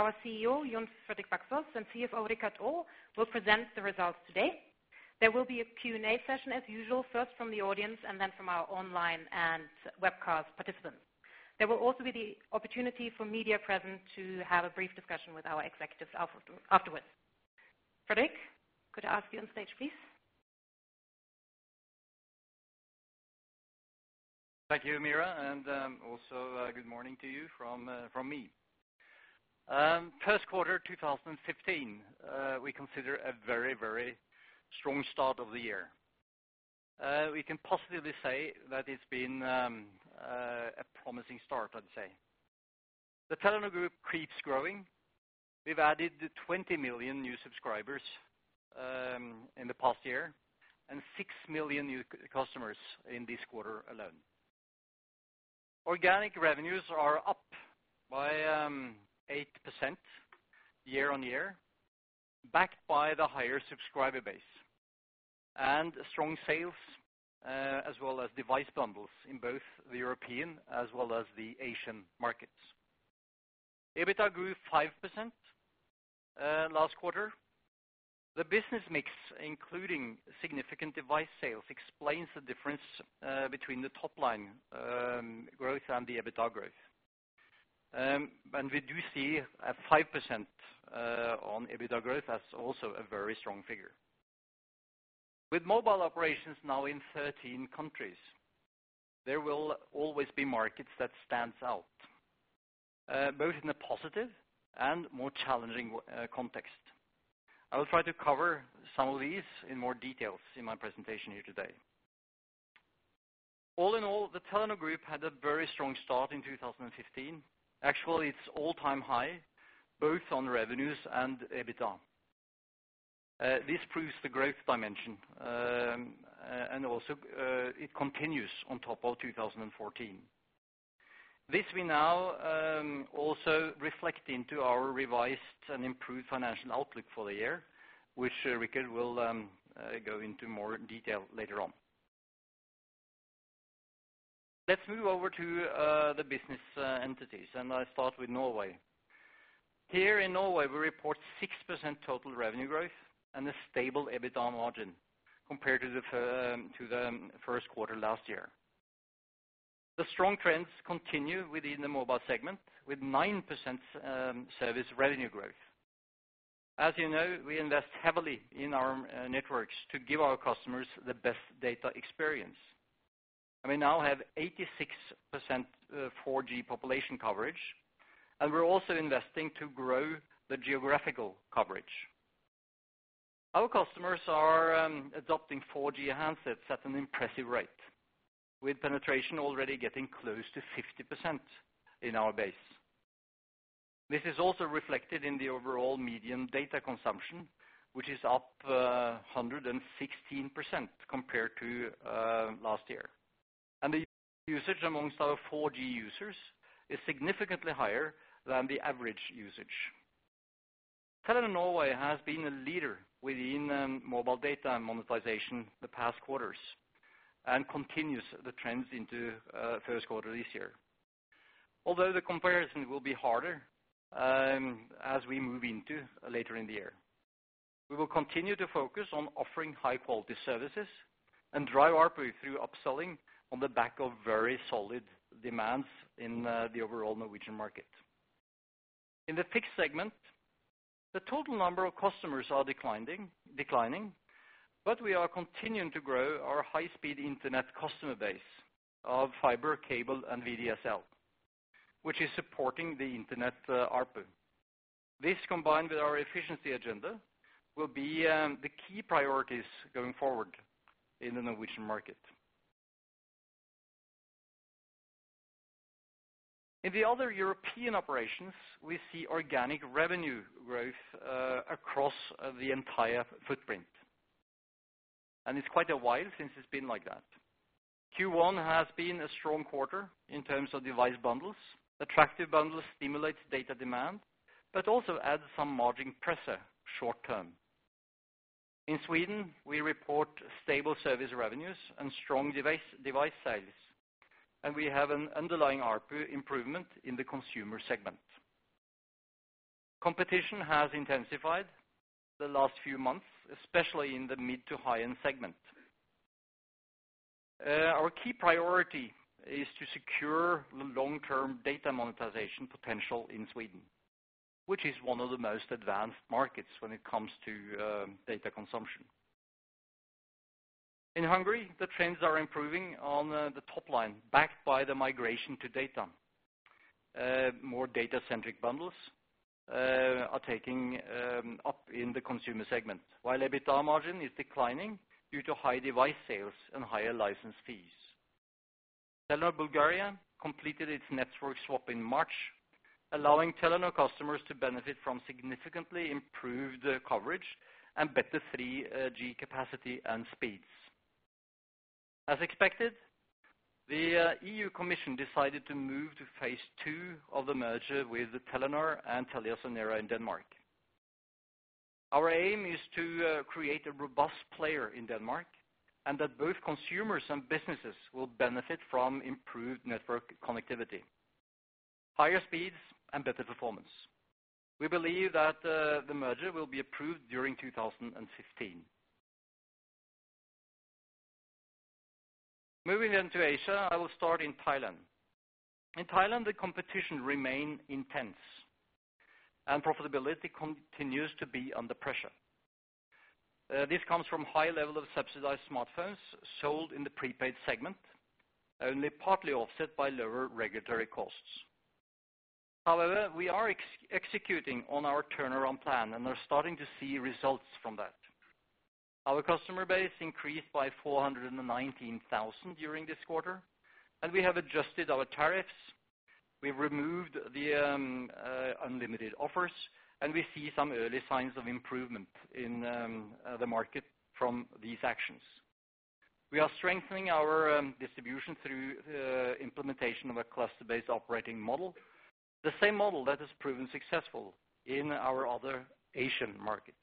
Our CEO, Jon Fredrik Baksaas, and CFO, Rickard Orre, will present the results today. There will be a Q&A session as usual, first from the audience, and then from our online and webcast participants. There will also be the opportunity for media present to have a brief discussion with our executives after, afterwards. Fredrik, could I ask you on stage, please? Thank you, Meera, and also good morning to you from me. First quarter, 2015, we consider a very, very strong start of the year. We can positively say that it's been a promising start, I'd say. The Telenor Group keeps growing. We've added 20 million new subscribers in the past year, and 6 million new customers in this quarter alone. Organic revenues are up by 8% year-on-year, backed by the higher subscriber base and strong sales as well as device bundles in both the European as well as the Asian markets. EBITDA grew 5% last quarter. The business mix, including significant device sales, explains the difference between the top line growth and the EBITDA growth. And we do see a 5% on EBITDA growth as also a very strong figure. With mobile operations now in 13 countries, there will always be markets that stands out, both in a positive and more challenging context. I will try to cover some of these in more details in my presentation here today. All in all, the Telenor Group had a very strong start in 2015. Actually, it's all-time high, both on revenues and EBITDA. This proves the growth dimension and also it continues on top of 2014. This we now also reflect into our revised and improved financial outlook for the year, which Rikard will go into more detail later on. Let's move over to the business entities, and I start with Norway. Here in Norway, we report 6% total revenue growth and a stable EBITDA margin compared to the first quarter last year. The strong trends continue within the mobile segment, with 9% service revenue growth. As you know, we invest heavily in our networks to give our customers the best data experience. And we now have 86% 4G population coverage, and we're also investing to grow the geographical coverage. Our customers are adopting 4G handsets at an impressive rate, with penetration already getting close to 50% in our base. This is also reflected in the overall median data consumption, which is up 116% compared to last year. And the usage amongst our 4G users is significantly higher than the average usage. Telenor Norway has been a leader within mobile data and monetization the past quarters, and continues the trends into first quarter this year. Although the comparison will be harder as we move into later in the year. We will continue to focus on offering high-quality services and drive ARPU through upselling on the back of very solid demands in the overall Norwegian market. In the fixed segment, the total number of customers are declining, but we are continuing to grow our high-speed internet customer base of fiber, cable, and VDSL, which is supporting the internet ARPU. This, combined with our efficiency agenda, will be the key priorities going forward in the Norwegian market. In the other European operations, we see organic revenue growth across the entire footprint, and it's quite a while since it's been like that. Q1 has been a strong quarter in terms of device bundles. Attractive bundles stimulate data demand, but also adds some margin pressure short term. In Sweden, we report stable service revenues and strong device, device sales, and we have an underlying ARPU improvement in the consumer segment. Competition has intensified the last few months, especially in the mid to high-end segment. Our key priority is to secure the long-term data monetization potential in Sweden, which is one of the most advanced markets when it comes to data consumption. In Hungary, the trends are improving on the top line, backed by the migration to data. More data-centric bundles are taking up in the consumer segment, while EBITDA margin is declining due to high device sales and higher license fees. Telenor Bulgaria completed its network swap in March, allowing Telenor customers to benefit from significantly improved coverage and better 3G capacity and speeds. As expected, the EU Commission decided to move to phase two of the merger with Telenor and TeliaSonera in Denmark. Our aim is to create a robust player in Denmark, and that both consumers and businesses will benefit from improved network connectivity, higher speeds, and better performance. We believe that the merger will be approved during 2015. Moving into Asia, I will start in Thailand. In Thailand, the competition remain intense, and profitability continues to be under pressure. This comes from high level of subsidized smartphones sold in the prepaid segment, only partly offset by lower regulatory costs. However, we are executing on our turnaround plan and are starting to see results from that. Our customer base increased by 419,000 during this quarter, and we have adjusted our tariffs. We've removed the unlimited offers, and we see some early signs of improvement in the market from these actions. We are strengthening our distribution through implementation of a cluster-based operating model, the same model that has proven successful in our other Asian markets.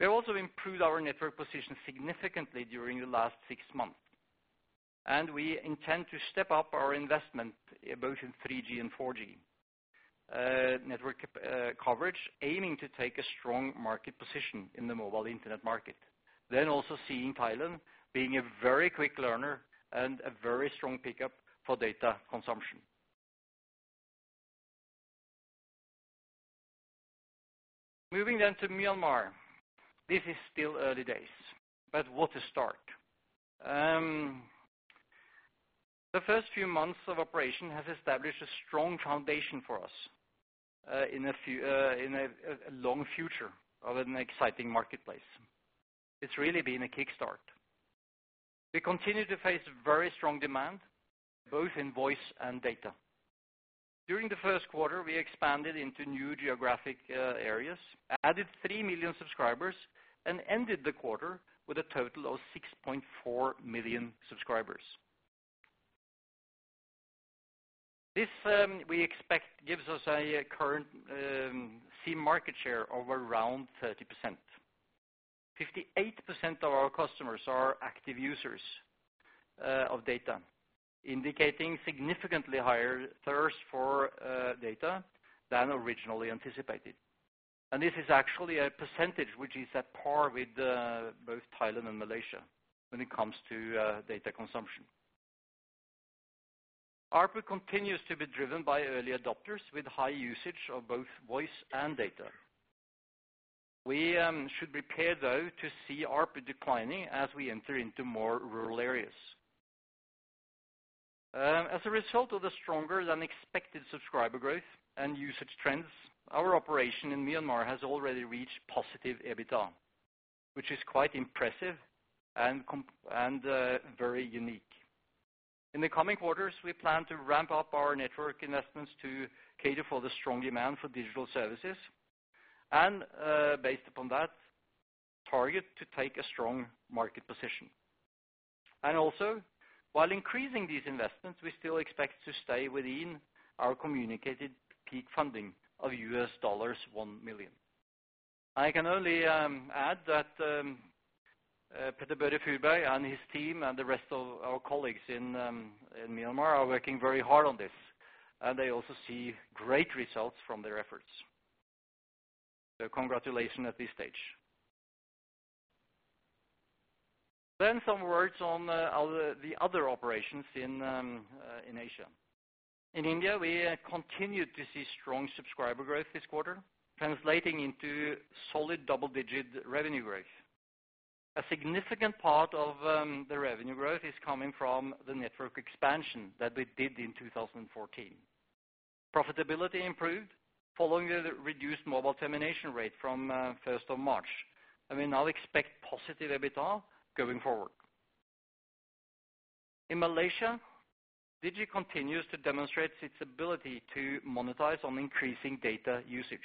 We also improved our network position significantly during the last 6 months, and we intend to step up our investment in both 3G and 4G network coverage, aiming to take a strong market position in the mobile internet market. Then also seeing Thailand being a very quick learner and a very strong pickup for data consumption. Moving then to Myanmar. This is still early days, but what a start! The first few months of operation has established a strong foundation for us in a long future of an exciting marketplace. It's really been a kick start. We continue to face very strong demand, both in voice and data. During the first quarter, we expanded into new geographic areas, added 3 million subscribers, and ended the quarter with a total of 6.4 million subscribers. This we expect gives us a current SIM market share of around 30%. 58% of our customers are active users of data, indicating significantly higher thirst for data than originally anticipated. And this is actually a percentage which is at par with both Thailand and Malaysia when it comes to data consumption. ARPU continues to be driven by early adopters with high usage of both voice and data. We should prepare, though, to see ARPU declining as we enter into more rural areas. As a result of the stronger-than-expected subscriber growth and usage trends, our operation in Myanmar has already reached positive EBITDA, which is quite impressive and very unique. In the coming quarters, we plan to ramp up our network investments to cater for the strong demand for digital services and, based upon that, target to take a strong market position. And also, while increasing these investments, we still expect to stay within our communicated peak funding of $1 million. I can only add that, Petter-Børre Furberg and his team, and the rest of our colleagues in Myanmar are working very hard on this, and they also see great results from their efforts. So congratulations at this stage. Then some words on other, the other operations in Asia. In India, we continued to see strong subscriber growth this quarter, translating into solid double-digit revenue growth. A significant part of the revenue growth is coming from the network expansion that we did in 2014. Profitability improved following the reduced mobile termination rate from first of March, and we now expect positive EBITDA going forward. In Malaysia, Digi continues to demonstrate its ability to monetize on increasing data usage.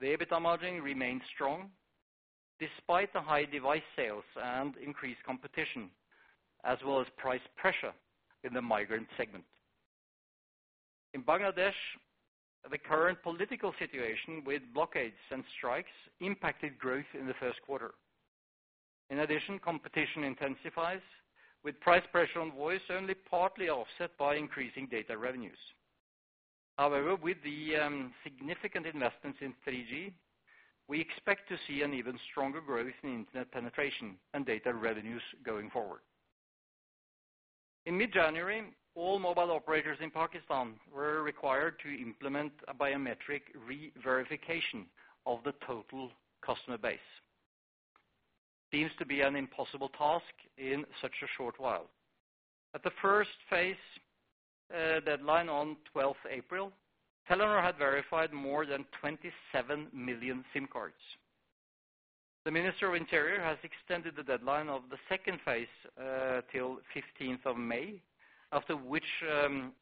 The EBITDA margin remains strong, despite the high device sales and increased competition, as well as price pressure in the migrant segment. In Bangladesh, the current political situation with blockades and strikes impacted growth in the first quarter. In addition, competition intensifies, with price pressure on voice only partly offset by increasing data revenues. However, with the significant investments in 3G, we expect to see an even stronger growth in internet penetration and data revenues going forward. In mid-January, all mobile operators in Pakistan were required to implement a biometric re-verification of the total customer base. Seems to be an impossible task in such a short while. At the first phase deadline on 12 April, Telenor had verified more than 27 million SIM cards. The Minister of Interior has extended the deadline of the second phase till 15 May, after which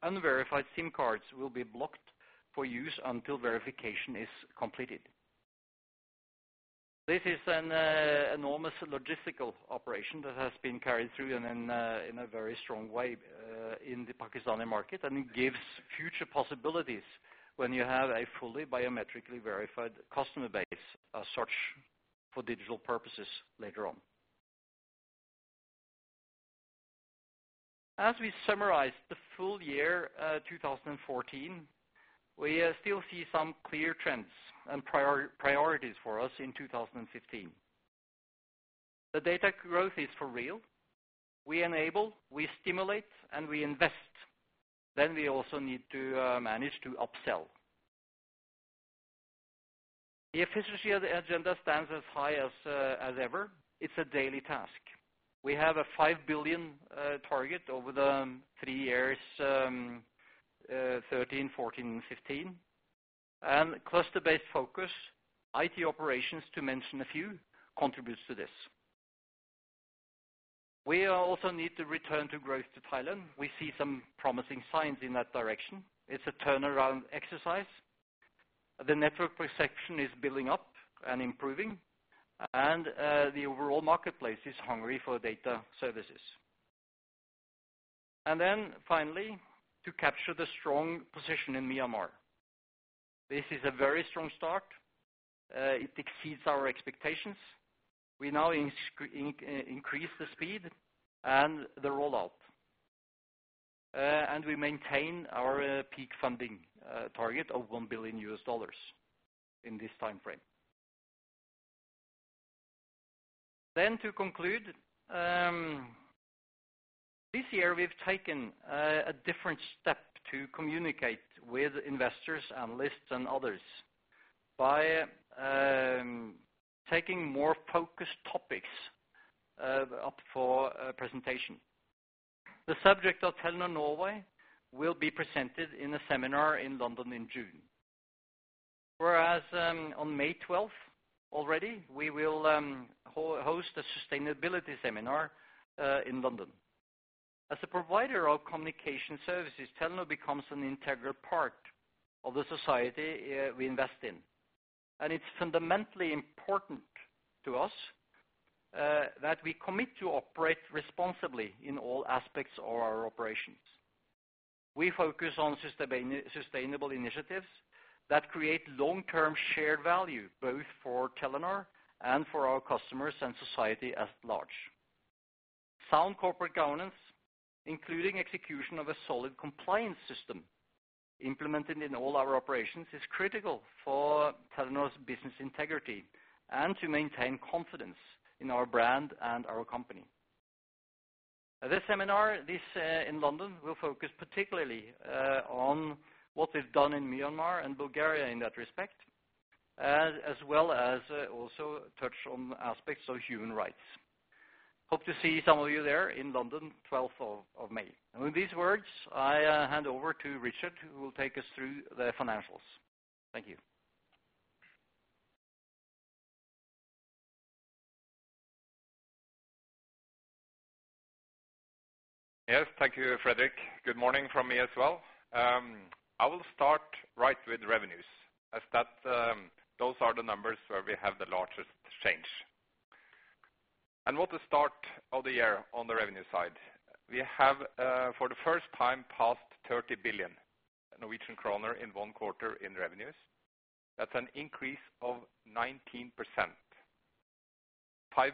unverified SIM cards will be blocked for use until verification is completed. This is an enormous logistical operation that has been carried through in a very strong way in the Pakistani market, and it gives future possibilities when you have a fully biometrically verified customer base as such for digital purposes later on. As we summarize the full year 2014, we still see some clear trends and priorities for us in 2015. The data growth is for real. We enable, we stimulate, and we invest, then we also need to manage to upsell. The efficiency agenda stands as high as ever. It's a daily task. We have a 5 billion target over the three years, 2013, 2014, and 2015. Cluster-based focus, IT operations, to mention a few, contributes to this. We also need to return to growth to Thailand. We see some promising signs in that direction. It's a turnaround exercise. The network perception is building up and improving, and the overall marketplace is hungry for data services. And then finally, to capture the strong position in Myanmar. This is a very strong start. It exceeds our expectations. We now increase the speed and the rollout. And we maintain our peak funding target of $1 billion in this time frame. Then to conclude, this year, we've taken a different step to communicate with investors, analysts, and others by taking more focused topics up for a presentation. The subject of Telenor Norway will be presented in a seminar in London in June. Whereas, on May twelfth, already, we will host a sustainability seminar in London. As a provider of communication services, Telenor becomes an integral part of the society we invest in. And it's fundamentally important to us that we commit to operate responsibly in all aspects of our operations. We focus on sustainable initiatives that create long-term shared value, both for Telenor and for our customers and society at large. Sound corporate governance, including execution of a solid compliance system implemented in all our operations, is critical for Telenor's business integrity and to maintain confidence in our brand and our company. This seminar in London will focus particularly on what we've done in Myanmar and Bulgaria in that respect, as well as also touch on aspects of human rights. Hope to see some of you there in London, twelfth of May. With these words, I hand over to Richard, who will take us through the financials. Thank you. Yes, thank you, Fredrik. Good morning from me as well. I will start right with revenues, as that, those are the numbers where we have the largest change. And at the start of the year on the revenue side, we have for the first time passed 30 billion Norwegian kroner in one quarter in revenues. That's an increase of 19%. 5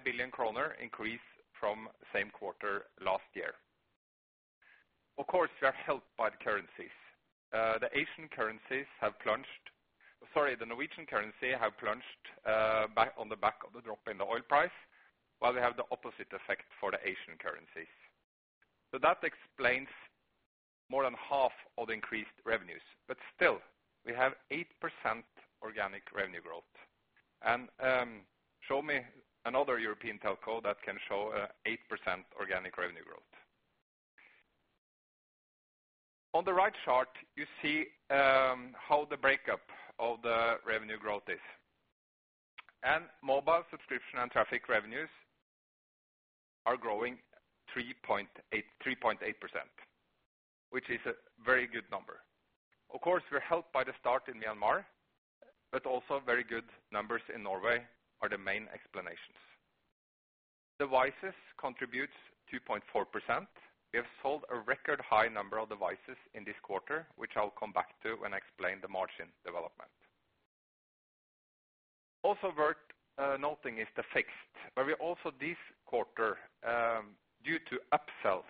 billion kroner increase from the same quarter last year. Of course, we are helped by the currencies. The Asian currencies have plunged. Sorry, the Norwegian currency have plunged back on the back of the drop in the oil price, while we have the opposite effect for the Asian currencies. So that explains more than half of the increased revenues, but still, we have 8% organic revenue growth. Show me another European telco that can show 8% organic revenue growth. On the right chart, you see how the breakup of the revenue growth is. Mobile subscription and traffic revenues are growing 3.8%, 3.8%, which is a very good number. Of course, we're helped by the start in Myanmar, but also very good numbers in Norway are the main explanations. Devices contributes 2.4%. We have sold a record high number of devices in this quarter, which I'll come back to when I explain the margin development. Also worth noting is the fixed, where we also this quarter, due to upsell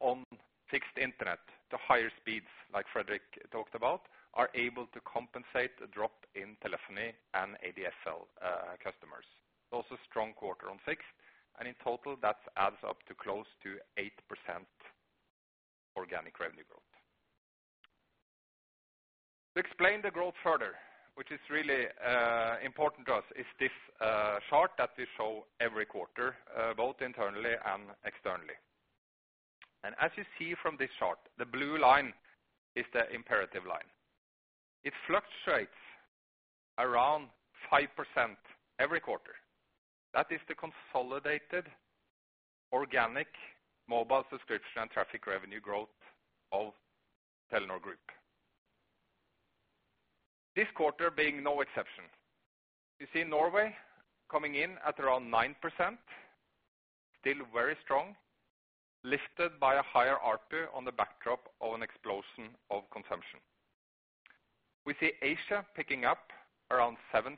on fixed internet, the higher speeds, like Fredrik talked about, are able to compensate a drop in telephony and ADSL customers. Also, strong quarter on fixed, and in total, that adds up to close to 8% organic revenue growth. To explain the growth further, which is really, important to us, is this, chart that we show every quarter, both internally and externally. And as you see from this chart, the blue line is the imperative line. It fluctuates around 5% every quarter. That is the consolidated organic mobile subscription and traffic revenue growth of Telenor Group.... This quarter being no exception. You see Norway coming in at around 9%, still very strong, lifted by a higher ARPU on the backdrop of an explosion of consumption. We see Asia picking up around 7%,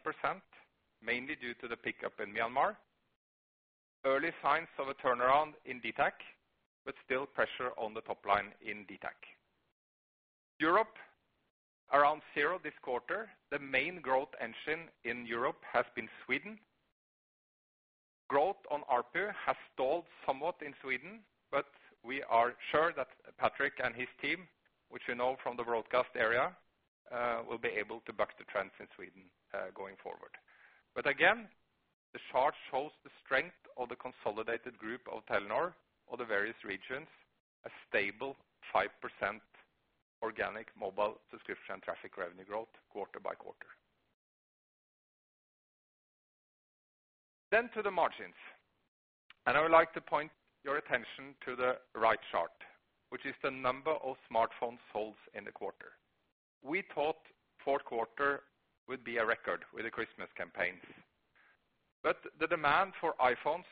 mainly due to the pickup in Myanmar. Early signs of a turnaround in dtac, but still pressure on the top line in dtac. Europe, around zero this quarter, the main growth engine in Europe has been Sweden. Growth on ARPU has stalled somewhat in Sweden, but we are sure that Patrik and his team, which you know, from the broadcast area, will be able to buck the trends in Sweden, going forward. But again, the chart shows the strength of the consolidated group of Telenor or the various regions, a stable 5% organic mobile subscription traffic revenue growth quarter by quarter. Then to the margins, and I would like to point your attention to the right chart, which is the number of smartphone sold in the quarter. We thought fourth quarter would be a record with the Christmas campaigns, but the demand for iPhones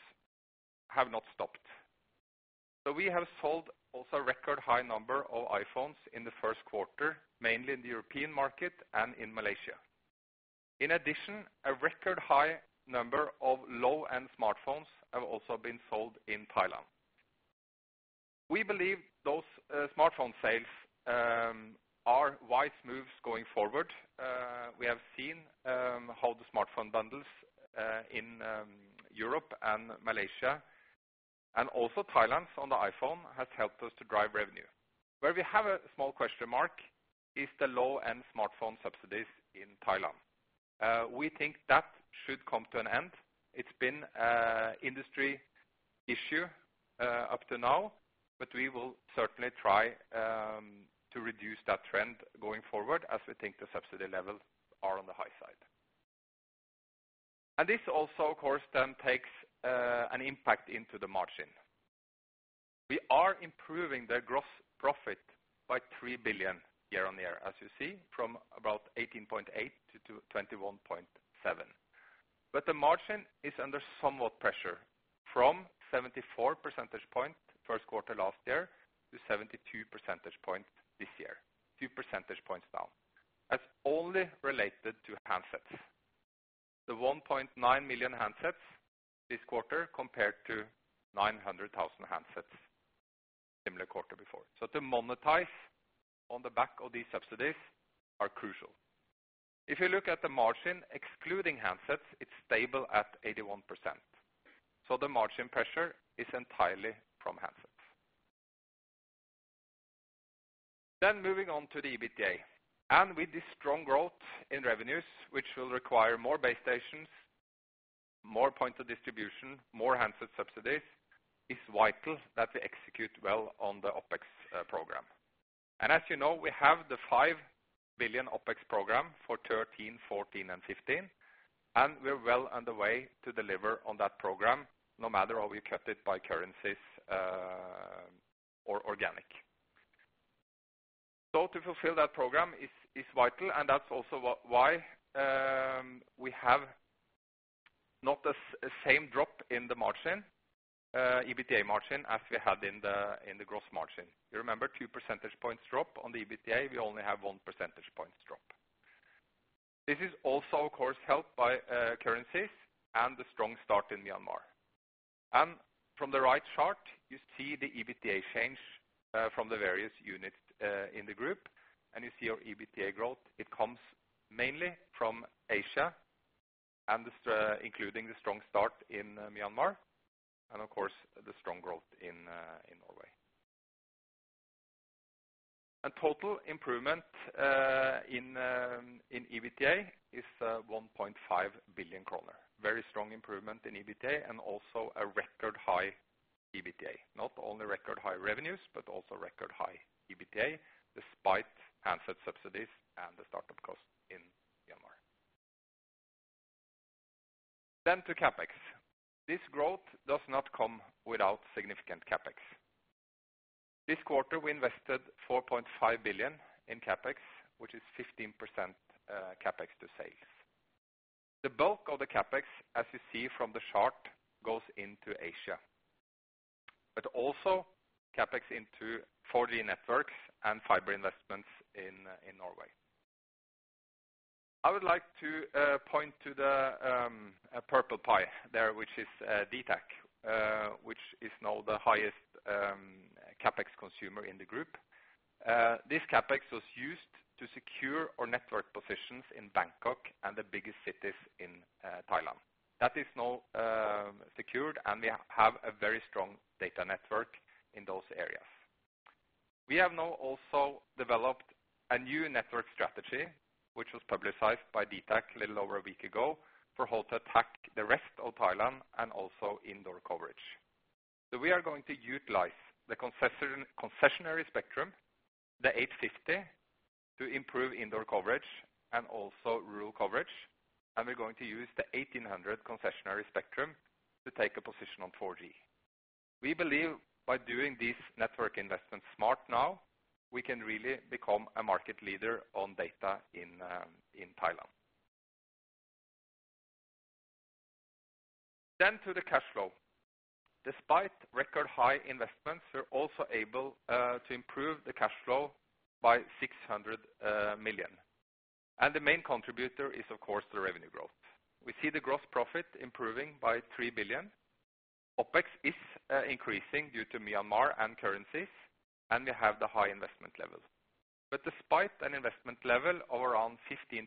have not stopped. So we have sold also a record high number of iPhones in the first quarter, mainly in the European market and in Malaysia. In addition, a record high number of low-end smartphones have also been sold in Thailand. We believe those, smartphone sales, are wise moves going forward. We have seen, how the smartphone bundles, in, Europe and Malaysia, and also Thailand on the iPhone, has helped us to drive revenue. Where we have a small question mark, is the low-end smartphone subsidies in Thailand. We think that should come to an end. It's been an industry issue, up to now, but we will certainly try, to reduce that trend going forward, as we think the subsidy levels are on the high side. And this also, of course, then takes, an impact into the margin. We are improving the gross profit by 3 billion year-on-year, as you see, from about 18.8 billion to 21.7 billion. But the margin is under somewhat pressure from 74 percentage points, first quarter last year, to 72 percentage points this year, 2 percentage points down. That's only related to handsets. The 1.9 million handsets this quarter, compared to 900,000 handsets similar quarter before. So to monetize on the back of these subsidies are crucial. If you look at the margin, excluding handsets, it's stable at 81%, so the margin pressure is entirely from handsets. Then moving on to the EBITDA, and with this strong growth in revenues, which will require more base stations, more point of distribution, more handset subsidies, it's vital that we execute well on the OpEx program. As you know, we have the 5 billion OpEx program for 2013, 2014, and 2015, and we're well on the way to deliver on that program, no matter how we kept it by currencies, or organic. So to fulfill that program is vital, and that's also what why we have not the same drop in the margin, EBITDA margin, as we had in the gross margin. You remember, 2 percentage points drop on the EBITDA, we only have 1 percentage points drop. This is also, of course, helped by currencies and the strong start in Myanmar. From the right chart, you see the EBITDA change from the various units in the group, and you see our EBITDA growth; it comes mainly from Asia, and this, including the strong start in Myanmar, and of course, the strong growth in Norway. A total improvement in EBITDA is 1.5 billion kroner. Very strong improvement in EBITDA, and also a record high EBITDA. Not only record high revenues, but also record high EBITDA, despite handset subsidies and the start-up costs in Myanmar. To CapEx. This growth does not come without significant CapEx. This quarter, we invested 4.5 billion NOK in CapEx, which is 15% CapEx to sales. The bulk of the CapEx, as you see from the chart, goes into Asia, but also CapEx into 4G networks and fiber investments in Norway. I would like to point to the purple pie there, which is dtac, which is now the highest CapEx consumer in the group. This CapEx was used to secure our network positions in Bangkok and the biggest cities in Thailand. That is now secured, and we have a very strong data network in those areas. We have now also developed a new network strategy, which was publicized by dtac a little over a week ago, for how to attack the rest of Thailand and also indoor coverage. So we are going to utilize the concession, concessionary spectrum, the 850, to improve indoor coverage and also rural coverage, and we're going to use the 1800 concessionary spectrum to take a position on 4G.... We believe by doing these network investments smart now, we can really become a market leader on data in Thailand. Then to the cash flow. Despite record high investments, we're also able to improve the cash flow by 600 million. And the main contributor is, of course, the revenue growth. We see the gross profit improving by 3 billion. OpEx is increasing due to Myanmar and currencies, and we have the high investment level. But despite an investment level of around 15%,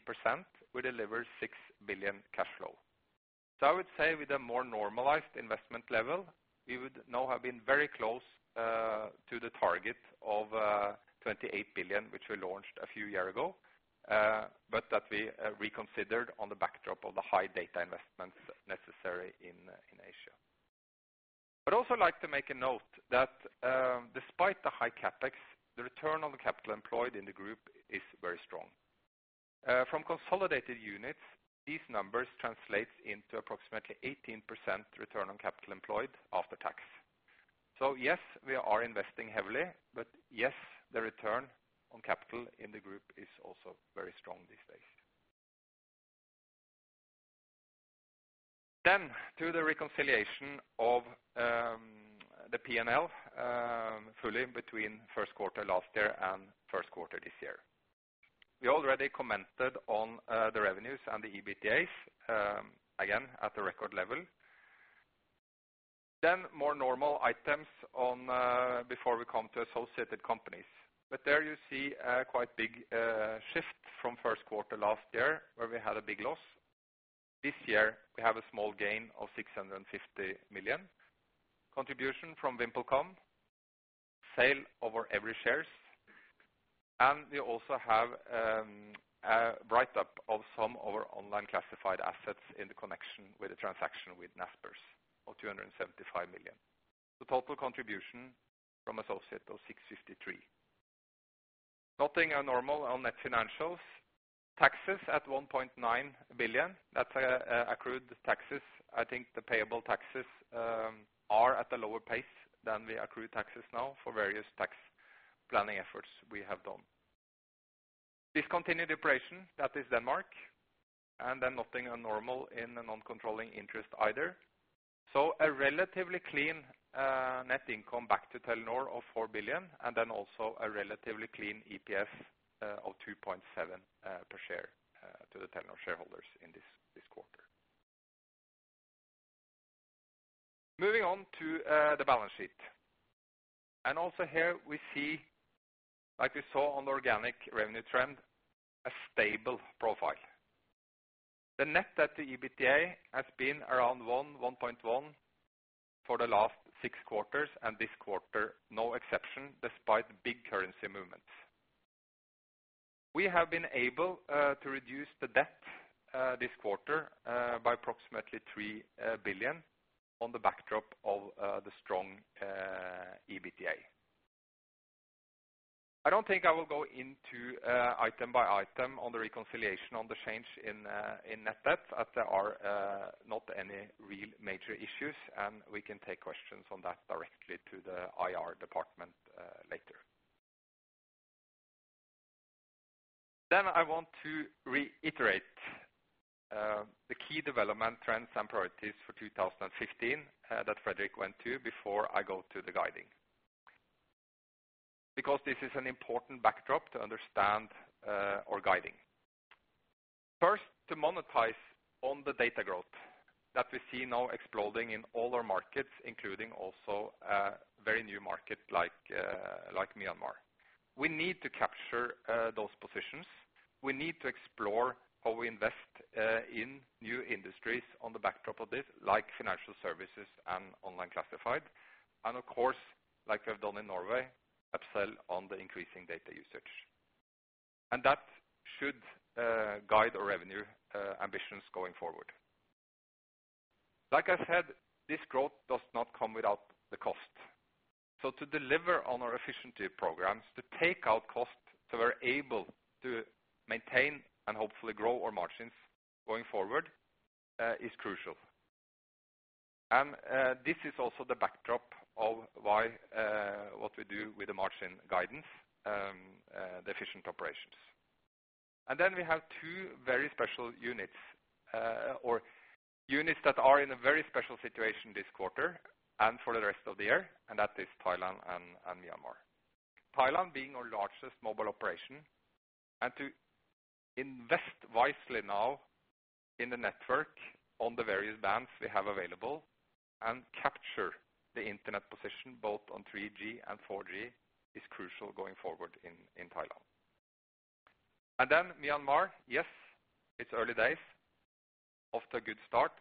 we deliver 6 billion cash flow. So I would say with a more normalized investment level, we would now have been very close to the target of 28 billion, which we launched a few years ago, but that we reconsidered on the backdrop of the high data investments necessary in Asia. I'd also like to make a note that, despite the high CapEx, the return on the capital employed in the group is very strong. From consolidated units, these numbers translate into approximately 18% return on capital employed after tax. So yes, we are investing heavily, but yes, the return on capital in the group is also very strong these days. Then to the reconciliation of, the PNL, fully between first quarter last year and first quarter this year. We already commented on, the revenues and the EBITDA, again, at the record level. Then more normal items on, before we come to associated companies. But there you see a quite big, shift from first quarter last year, where we had a big loss. This year, we have a small gain of 650 million. Contribution from VimpelCom, sale of our entire shares, and we also have, a write-up of some of our online classified assets in connection with the transaction with Naspers of 275 million. The total contribution from associates of 653 million. Nothing abnormal on net financials. Taxes at 1.9 billion, that's, accrued taxes. I think the payable taxes, are at a lower pace than the accrued taxes now for various tax planning efforts we have done. Discontinued operation, that is Denmark, and then nothing abnormal in the non-controlling interest either. So a relatively clean, net income back to Telenor of 4 billion, and then also a relatively clean EPS, of 2.7, per share, to the Telenor shareholders in this, this quarter. Moving on to, the balance sheet. Also here we see, like we saw on the organic revenue trend, a stable profile. The net debt to EBITDA has been around 1, 1.1 for the last six quarters, and this quarter, no exception, despite big currency movements. We have been able to reduce the debt this quarter by approximately 3 billion on the backdrop of the strong EBITDA. I don't think I will go into item by item on the reconciliation on the change in net debt, as there are not any real major issues, and we can take questions on that directly to the IR department later. Then I want to reiterate the key development trends and priorities for 2015 that Fredrik went to before I go to the guidance. Because this is an important backdrop to understand our guiding. First, to monetize on the data growth that we see now exploding in all our markets, including also very new markets like Myanmar. We need to capture those positions. We need to explore how we invest in new industries on the backdrop of this, like financial services and online classified. And of course, like we have done in Norway, upsell on the increasing data usage. And that should guide our revenue ambitions going forward. Like I said, this growth does not come without the cost. So to deliver on our efficiency programs, to take out costs that we're able to maintain and hopefully grow our margins going forward is crucial. This is also the backdrop of why what we do with the margin guidance, the efficient operations. And then we have two very special units, or units that are in a very special situation this quarter and for the rest of the year, and that is Thailand and Myanmar. Thailand being our largest mobile operation, and to invest wisely now in the network on the various bands we have available and capture the internet position, both on 3G and 4G, is crucial going forward in Thailand. And then Myanmar, yes, it's early days, off to a good start,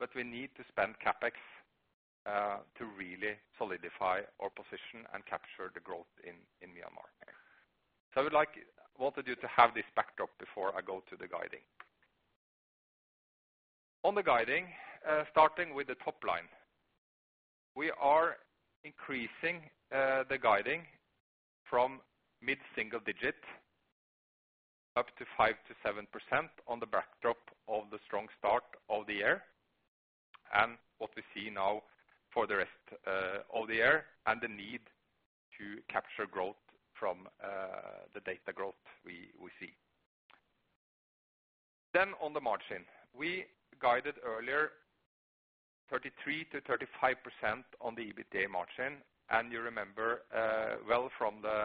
but we need to spend CapEx to really solidify our position and capture the growth in Myanmar. So I wanted you to have this backed up before I go to the guidance. On the guiding, starting with the top line, we are increasing the guiding from mid-single digit up to 5%-7% on the backdrop of the strong start of the year, and what we see now for the rest of the year, and the need to capture growth from the data growth we see. Then on the margin, we guided earlier 33%-35% on the EBITDA margin, and you remember, well from the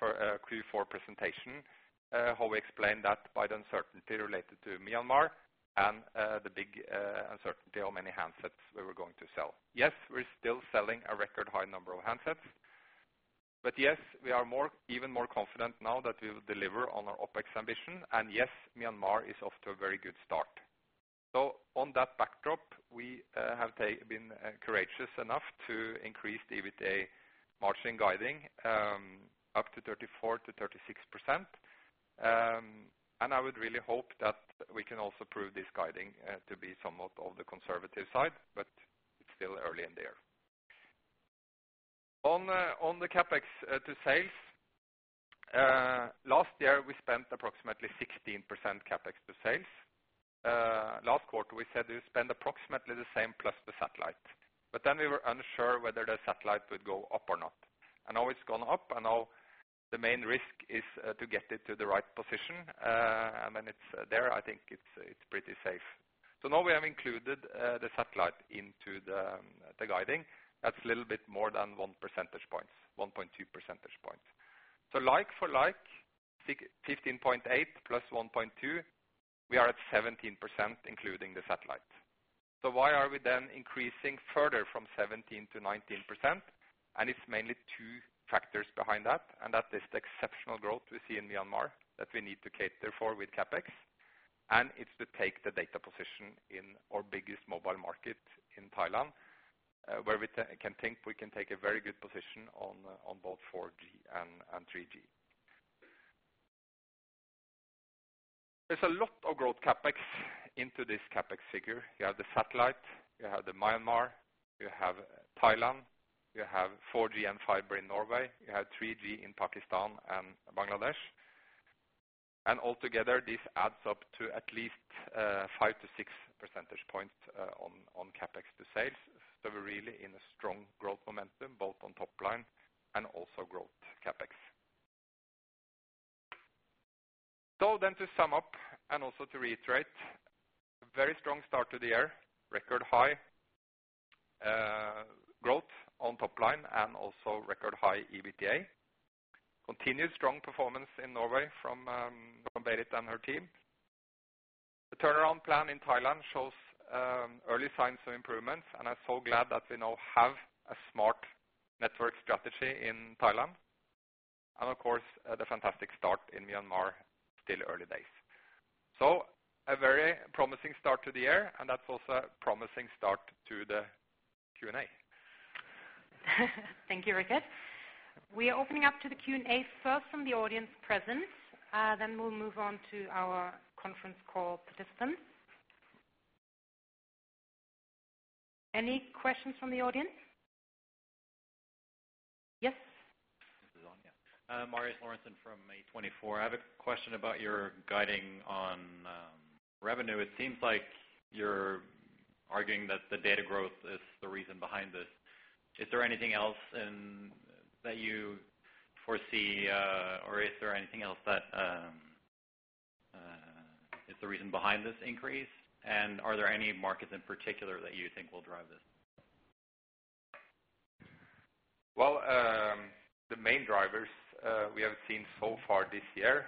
Q4 presentation, how we explained that by the uncertainty related to Myanmar and the big uncertainty of how many handsets we were going to sell. Yes, we're still selling a record high number of handsets. But yes, we are more, even more confident now that we will deliver on our OpEx ambition. And yes, Myanmar is off to a very good start. So on that backdrop, we have been courageous enough to increase the EBITDA margin guiding up to 34%-36%. And I would really hope that we can also prove this guiding to be somewhat on the conservative side, but it's still early in the year. On the CapEx to sales last year, we spent approximately 16% CapEx to sales. Last quarter, we said we spend approximately the same plus the satellite, but then we were unsure whether the satellite would go up or not, and now it's gone up, and now the main risk is to get it to the right position. And when it's there, I think it's pretty safe. So now we have included the satellite into the guiding. That's a little bit more than one percentage points, 1.2 percentage points. So like for like, 15.8 plus 1.2, we are at 17%, including the satellite. So why are we then increasing further from 17% to 19%? And it's mainly two factors behind that, and that is the exceptional growth we see in Myanmar that we need to cater for with CapEx, and it's to take the data position in our biggest mobile market in Thailand, where we think we can take a very good position on both 4G and 3G. There's a lot of growth CapEx into this CapEx figure. You have the satellite, you have the Myanmar, you have Thailand, you have 4G and fiber in Norway, you have 3G in Pakistan and Bangladesh. Altogether, this adds up to at least 5-6 percentage points on CapEx to sales. So we're really in a strong growth momentum, both on top line and also growth CapEx. So then to sum up, and also to reiterate, very strong start to the year, record high growth on top line and also record high EBITDA. Continued strong performance in Norway from Berit and her team. The turnaround plan in Thailand shows early signs of improvement, and I'm so glad that we now have a smart network strategy in Thailand. And of course, the fantastic start in Myanmar, still early days. So a very promising start to the year, and that's also a promising start to the Q&A. Thank you, Richard. We are opening up to the Q&A, first from the audience present, then we'll move on to our conference call participants. Any questions from the audience? Yes. This is on, yeah. Marius Lorentzen from E24. I have a question about your guiding on revenue. It seems like you're arguing that the data growth is the reason behind this. Is there anything else in-- that you foresee, or is there anything else that is the reason behind this increase? And are there any markets in particular that you think will drive this? Well, the main drivers we have seen so far this year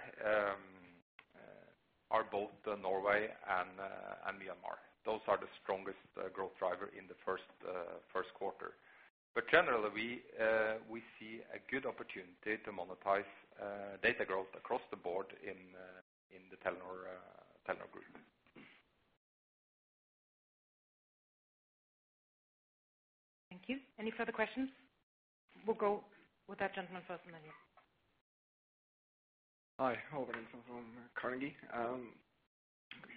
are both the Norway and Myanmar. Those are the strongest growth driver in the first quarter. But generally, we see a good opportunity to monetize data growth across the board in the Telenor Group. Thank you. Any further questions? We'll go with that gentleman first on the line. Hi, Håvard from Carnegie.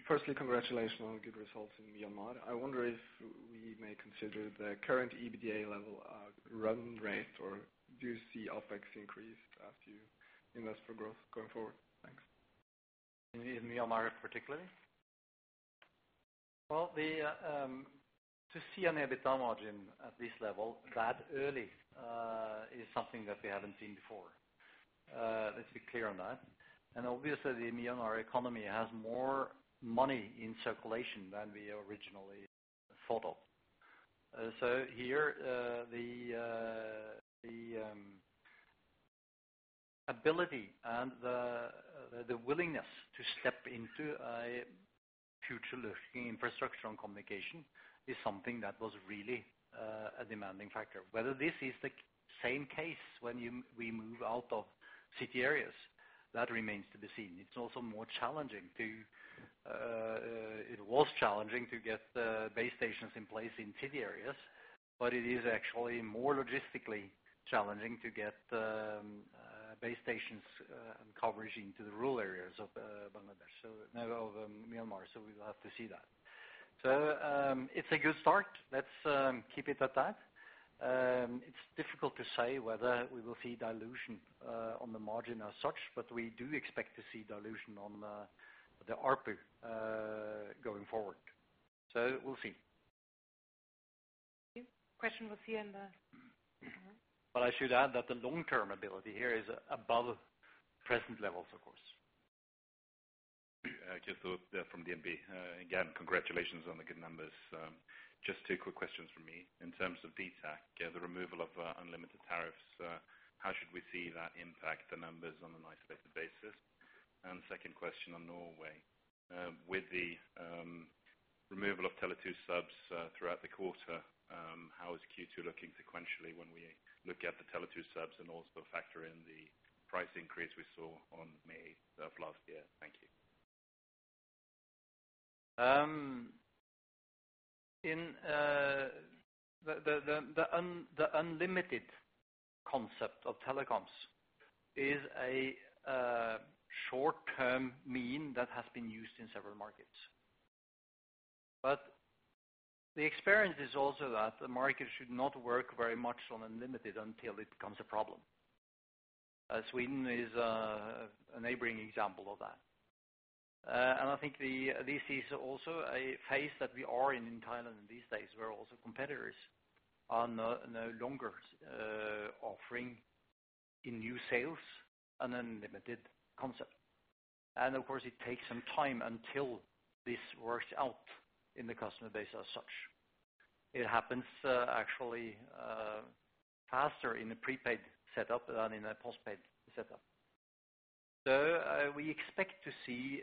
Firstly, congratulations on good results in Myanmar. I wonder if we may consider the current EBITDA level, run rate, or do you see OpEx increase as you invest for growth going forward? Thanks. In Myanmar, particularly? Well, to see an EBITDA margin at this level that early is something that we haven't seen before. Let's be clear on that. And obviously, the Myanmar economy has more money in circulation than we originally thought of. So here, the ability and the willingness to step into a future-looking infrastructure on communication is something that was really a demanding factor. Whether this is the same case when you, we move out of city areas, that remains to be seen. It's also more challenging to. It was challenging to get the base stations in place in city areas, but it is actually more logistically challenging to get the base stations coverage into the rural areas of Myanmar. So now over Myanmar, so we will have to see that. So, it's a good start. Let's keep it at that. It's difficult to say whether we will see dilution on the margin as such, but we do expect to see dilution on the ARPU going forward. So we'll see. Thank you. Question was here in the- Well, I should add that the long-term ability here is above present levels, of course. Christer Roth from DNB. Again, congratulations on the good numbers. Just two quick questions from me. In terms of dtac, yeah, the removal of unlimited tariffs, how should we see that impact the numbers on an isolated basis? And second question on Norway. With the removal of Tele2 subs throughout the quarter, how is Q2 looking sequentially when we look at the Tele2 subs and also factor in the price increase we saw on May of last year? Thank you. In the unlimited concept of telecoms is a short-term means that has been used in several markets. But the experience is also that the market should not work very much on unlimited until it becomes a problem. Sweden is a neighboring example of that. And I think this is also a phase that we are in, in Thailand these days, where also competitors are no longer offering in new sales an unlimited concept. And of course, it takes some time until this works out in the customer base as such. It happens actually faster in a prepaid setup than in a postpaid setup. So we expect to see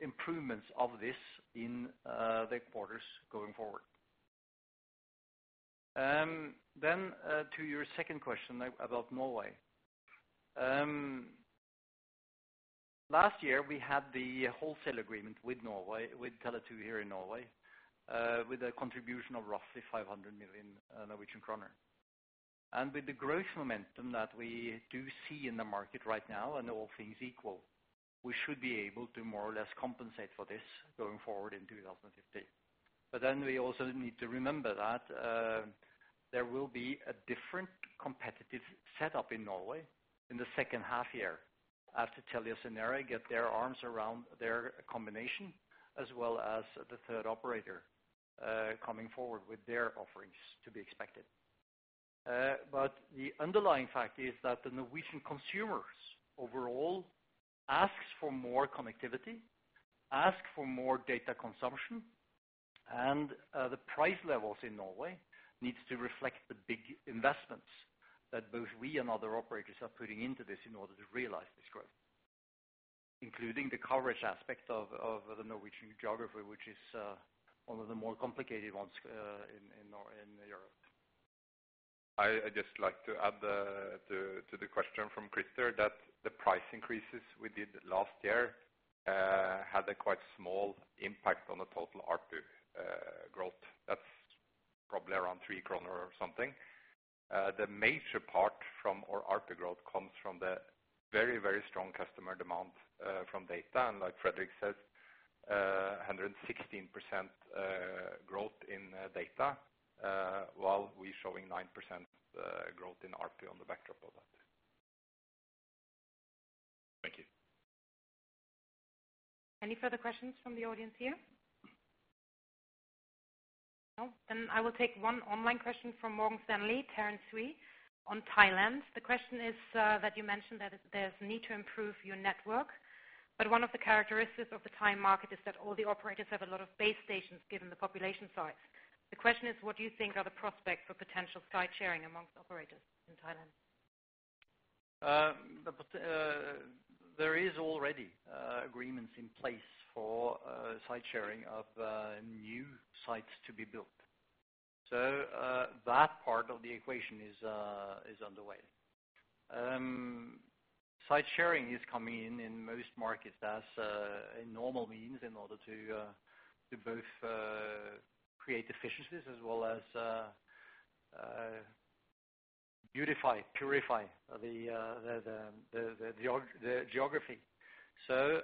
improvements of this in the quarters going forward. Then to your second question about Norway. Last year, we had the wholesale agreement with Norway, with Tele2 here in Norway, with a contribution of roughly 500 million Norwegian kroner. And with the growth momentum that we do see in the market right now, and all things equal, we should be able to more or less compensate for this going forward in 2015. But then we also need to remember that, there will be a different competitive setup in Norway in the second half year, after TeliaSonera get their arms around their combination, as well as the third operator, coming forward with their offerings to be expected. But the underlying fact is that the Norwegian consumers overall asks for more connectivity, ask for more data consumption, and the price levels in Norway needs to reflect the big investments that both we and other operators are putting into this in order to realize this growth, including the coverage aspect of the Norwegian geography, which is one of the more complicated ones in Norway in Europe.. I just like to add to the question from Christer, that the price increases we did last year had a quite small impact on the total ARPU growth. That's probably around 3 kroner or something. The major part from our ARPU growth comes from the very, very strong customer demand from data. And like Fredrik says, 116% growth in data while we're showing 9% growth in ARPU on the backdrop of that. Thank you. Any further questions from the audience here? No. Then I will take one online question from Morgan Stanley, Terence Tsui, on Thailand. The question is, that you mentioned that there's a need to improve your network, but one of the characteristics of the Thai market is that all the operators have a lot of base stations given the population size. The question is: What do you think are the prospects for potential site sharing amongst operators in Thailand? There is already agreements in place for site sharing of new sites to be built. So, that part of the equation is underway. Site sharing is coming in, in most markets as a normal means in order to both create efficiencies as well as beautify, purify the geography. So,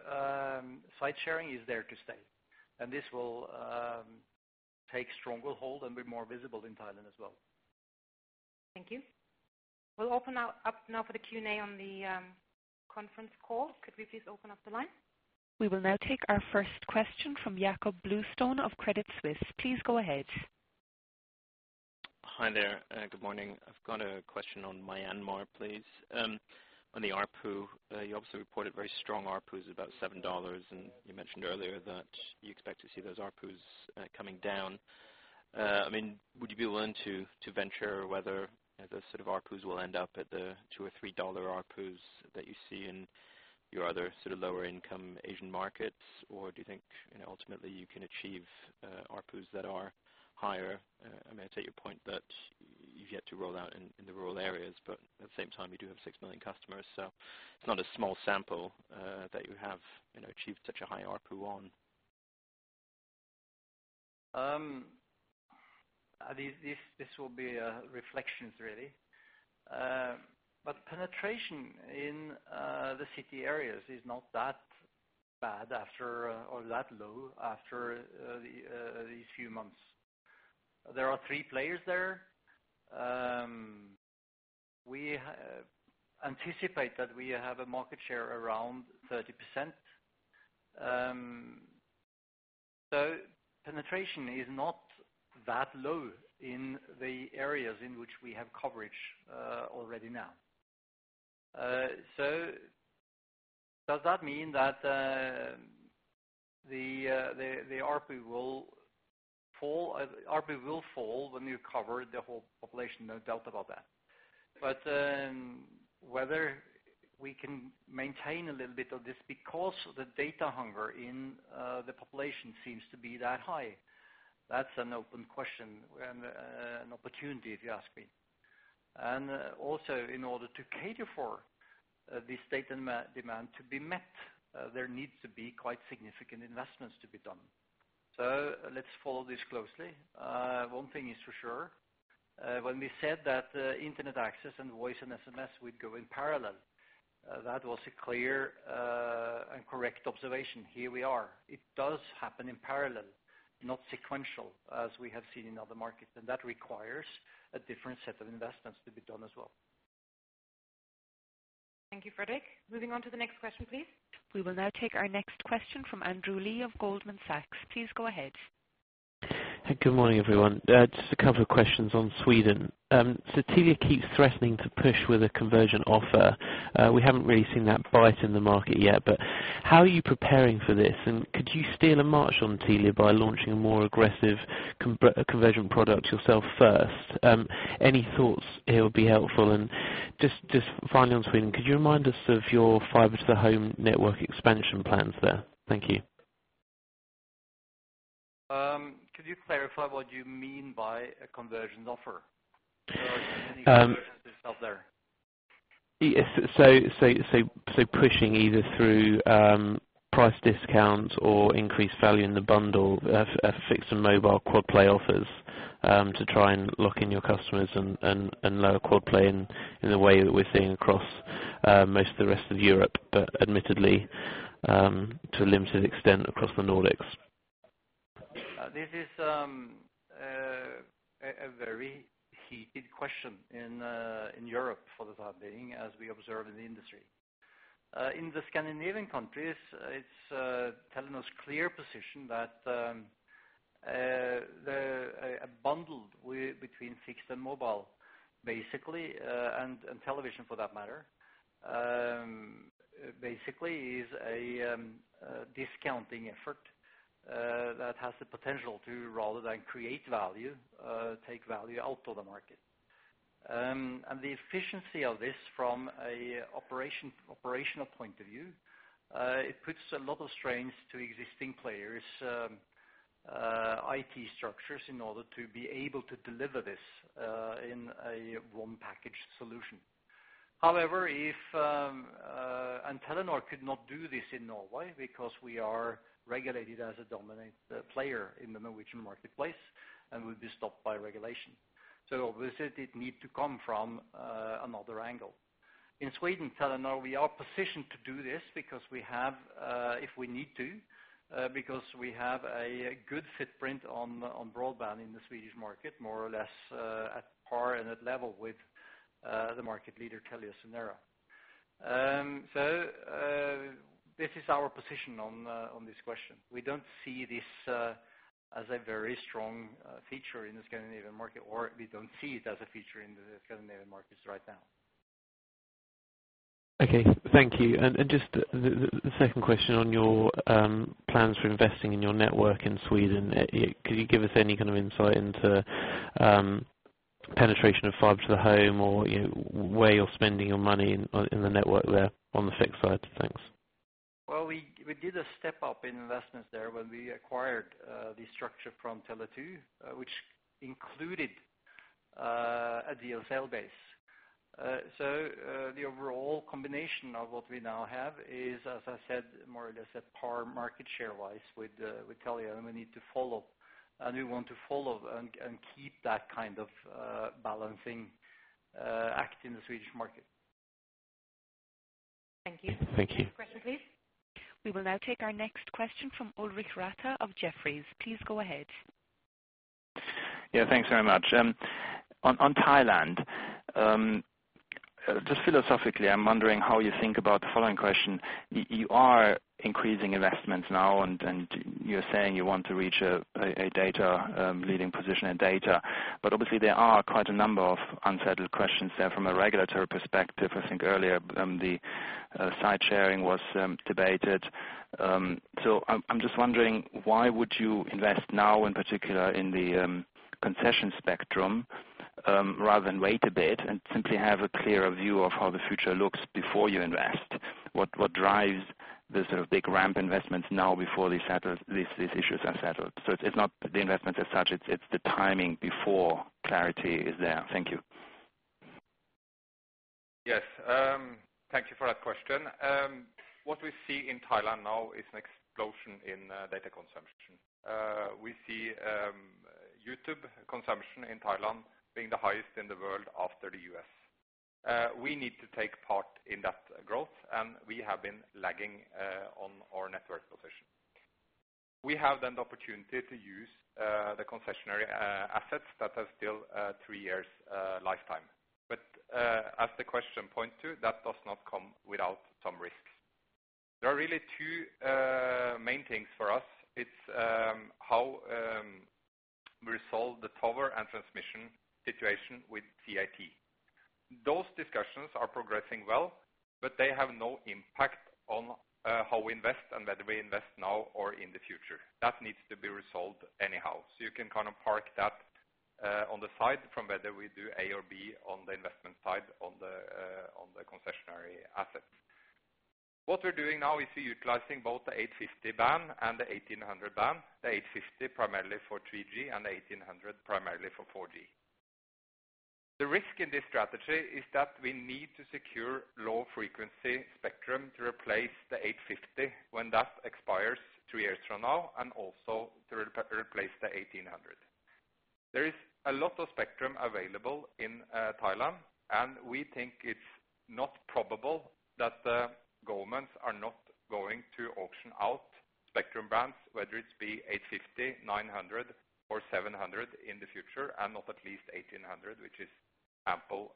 site sharing is there to stay, and this will take strong will hold and be more visible in Thailand as well. Thank you. We'll open up now for the Q&A on the conference call. Could we please open up the line? We will now take our first question from Jakob Bluestone of Credit Suisse. Please go ahead. Hi there. Good morning. I've got a question on Myanmar, please. On the ARPU, you obviously reported very strong ARPUs, about $7, and you mentioned earlier that you expect to see those ARPUs coming down. I mean, would you be willing to venture whether those sort of ARPUs will end up at the $2 or $3 ARPUs that you see in your other sort of lower income Asian markets? Or do you think, you know, ultimately you can achieve ARPUs that are higher? I mean, I take your point that you've yet to roll out in the rural areas, but at the same time, you do have 6 million customers, so it's not a small sample that you have, you know, achieved such a high ARPU on. This will be reflections, really. But penetration in the city areas is not that bad, or that low, after these few months. There are three players there. We anticipate that we have a market share around 30%. So penetration is not that low in the areas in which we have coverage already now. So does that mean that the RP will fall? RP will fall when you cover the whole population, no doubt about that. But whether we can maintain a little bit of this because the data hunger in the population seems to be that high, that's an open question, and an opportunity, if you ask me. Also, in order to cater for this data demand to be met, there needs to be quite significant investments to be done. Let's follow this closely. One thing is for sure, when we said that, internet access and voice and SMS would go in parallel, that was a clear and correct observation. Here we are. It does happen in parallel, not sequential, as we have seen in other markets, and that requires a different set of investments to be done as well. Thank you, Fredrik. Moving on to the next question, please. We will now take our next question from Andrew Lee of Goldman Sachs. Please go ahead. Good morning, everyone. Just a couple of questions on Sweden. So Telia keeps threatening to push with a conversion offer. We haven't really seen that bite in the market yet, but how are you preparing for this? And could you steal a march on Telia by launching a more aggressive conversion product yourself first? Any thoughts here would be helpful. And just finally on Sweden, could you remind us of your fiber to the home network expansion plans there? Thank you. Could you clarify what you mean by a conversion offer? So any out there. Yeah, so pushing either through price discounts or increased value in the bundle, fixed and mobile quad play offers, to try and lock in your customers and lower quad play in the way that we're seeing across most of the rest of Europe, but admittedly, to a limited extent across the Nordics. This is a very heated question in Europe for the time being, as we observe in the industry. In the Scandinavian countries, it's Telenor's clear position that a bundle between fixed and mobile, basically, and television, for that matter, basically is a discounting effort that has the potential to, rather than create value, take value out of the market. And the efficiency of this from a operational point of view, it puts a lot of strains to existing players' IT structures in order to be able to deliver this in a one package solution. However, if... And Telenor could not do this in Norway because we are regulated as a dominant player in the Norwegian marketplace, and we'd be stopped by regulation. So obviously, it need to come from another angle. In Sweden, Telenor, we are positioned to do this because we have, if we need to, because we have a good footprint on broadband in the Swedish market, more or less, at par and at level with the market leader, TeliaSonera. So, this is our position on this question. We don't see this as a very strong feature in the Scandinavian market, or we don't see it as a feature in the Scandinavian markets right now. Okay. Thank you. Just the second question on your plans for investing in your network in Sweden. Could you give us any kind of insight into penetration of fiber to the home or where you're spending your money in the network there on the fixed side? Thanks. Well, we, we did a step up in investments there when we acquired the structure from Tele2, which included a DSL base. So, the overall combination of what we now have is, as I said, more or less at par market share-wise with Telia, and we need to follow, and we want to follow and keep that kind of balancing act in the Swedish market. Thank you. Thank you. Next question, please. We will now take our next question from Ulrich Rathe of Jefferies. Please go ahead. Yeah, thanks very much. On Thailand, just philosophically, I'm wondering how you think about the following question: You are increasing investments now, and you're saying you want to reach a leading position in data. But obviously there are quite a number of unsettled questions there from a regulatory perspective. I think earlier, the site sharing was debated. So I'm just wondering, why would you invest now, in particular in the concession spectrum, rather than wait a bit and simply have a clearer view of how the future looks before you invest? What drives the sort of big ramp investments now before these issues are settled? So it's not the investments as such, it's the timing before clarity is there. Thank you. Yes, thank you for that question. What we see in Thailand now is an explosion in data consumption. We see YouTube consumption in Thailand being the highest in the world after the U.S. We need to take part in that growth, and we have been lagging on our network position. We have then the opportunity to use the concessionary assets that have still three years lifetime. But as the question point to, that does not come without some risks. There are really two main things for us. It's how we resolve the tower and transmission situation with CAT. Those discussions are progressing well, but they have no impact on how we invest and whether we invest now or in the future. That needs to be resolved anyhow. So you can kind of park that on the side from whether we do A or B on the investment side on the concessionary assets. What we're doing now is we're utilizing both the 850 band and the 1800 band, the 850 primarily for 3G and the 1800 primarily for 4G. The risk in this strategy is that we need to secure low frequency spectrum to replace the 850 when that expires three years from now, and also to replace the 1800. There is a lot of spectrum available in Thailand, and we think it's not probable that the governments are not going to auction out spectrum bands, whether it's 850, 900, or 700 in the future, and not at least 1800, which is ample,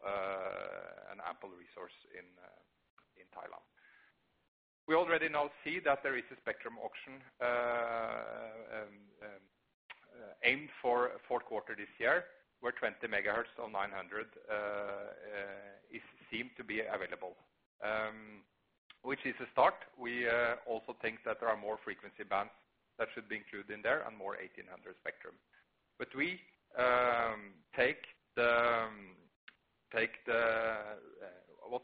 an ample resource in Thailand. We already now see that there is a spectrum auction aimed for fourth quarter this year, where 20 megahertz on 900 seem to be available, which is a start. We also think that there are more frequency bands that should be included in there and more 1,800 spectrum. But we take what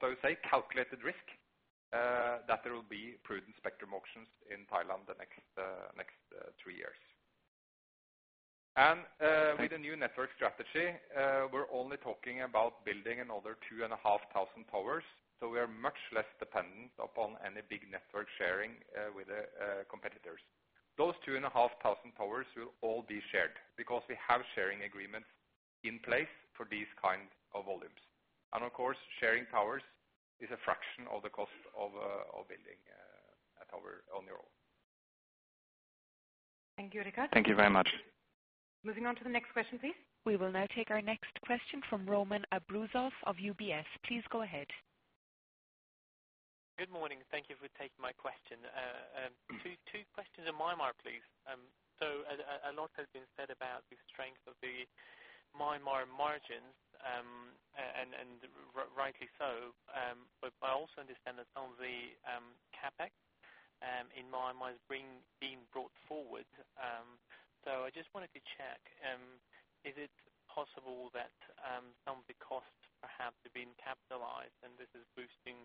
I would say, calculated risk that there will be prudent spectrum auctions in Thailand the next three years. And with the new network strategy, we're only talking about building another 2,500 towers, so we are much less dependent upon any big network sharing with the competitors. Those 2,500 towers will all be shared because we have sharing agreements in place for these kind of volumes. Of course, sharing towers is a fraction of the cost of building a tower on your own. Thank you, Richard. Thank you very much. Moving on to the next question, please. We will now take our next question from Roman Arbuzov of UBS. Please go ahead. Good morning. Thank you for taking my question. Two questions on Myanmar, please. So a lot has been said about the strength of the Myanmar margins, and rightly so, but I also understand that some of the CapEx in Myanmar is being brought forward. So I just wanted to check, is it possible that some of the costs perhaps have been capitalized, and this is boosting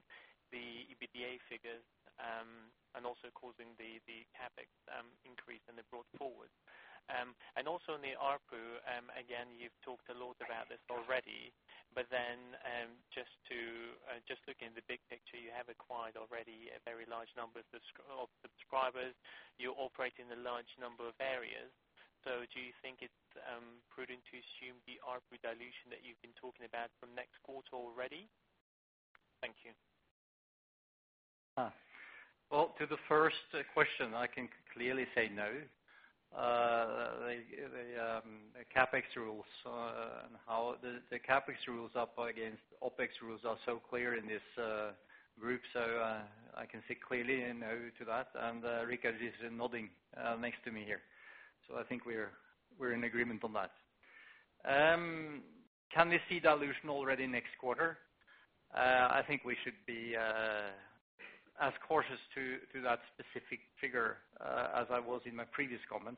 the EBITDA figures, and also causing the CapEx increase, and they're brought forward? And also in the ARPU, again, you've talked a lot about this already, but then, just to just looking in the big picture, you have acquired already a very large number of subscribers. You operate in a large number of areas. Do you think it's prudent to assume the ARPU dilution that you've been talking about from next quarter already? Thank you. Well, to the first question, I can clearly say no. The CapEx rules and how the CapEx rules are against OpEx rules are so clear in this group, so I can say clearly a no to that, and Rikard is nodding next to me here. So I think we're in agreement on that. Can we see dilution already next quarter? I think we should be as cautious to that specific figure as I was in my previous comment.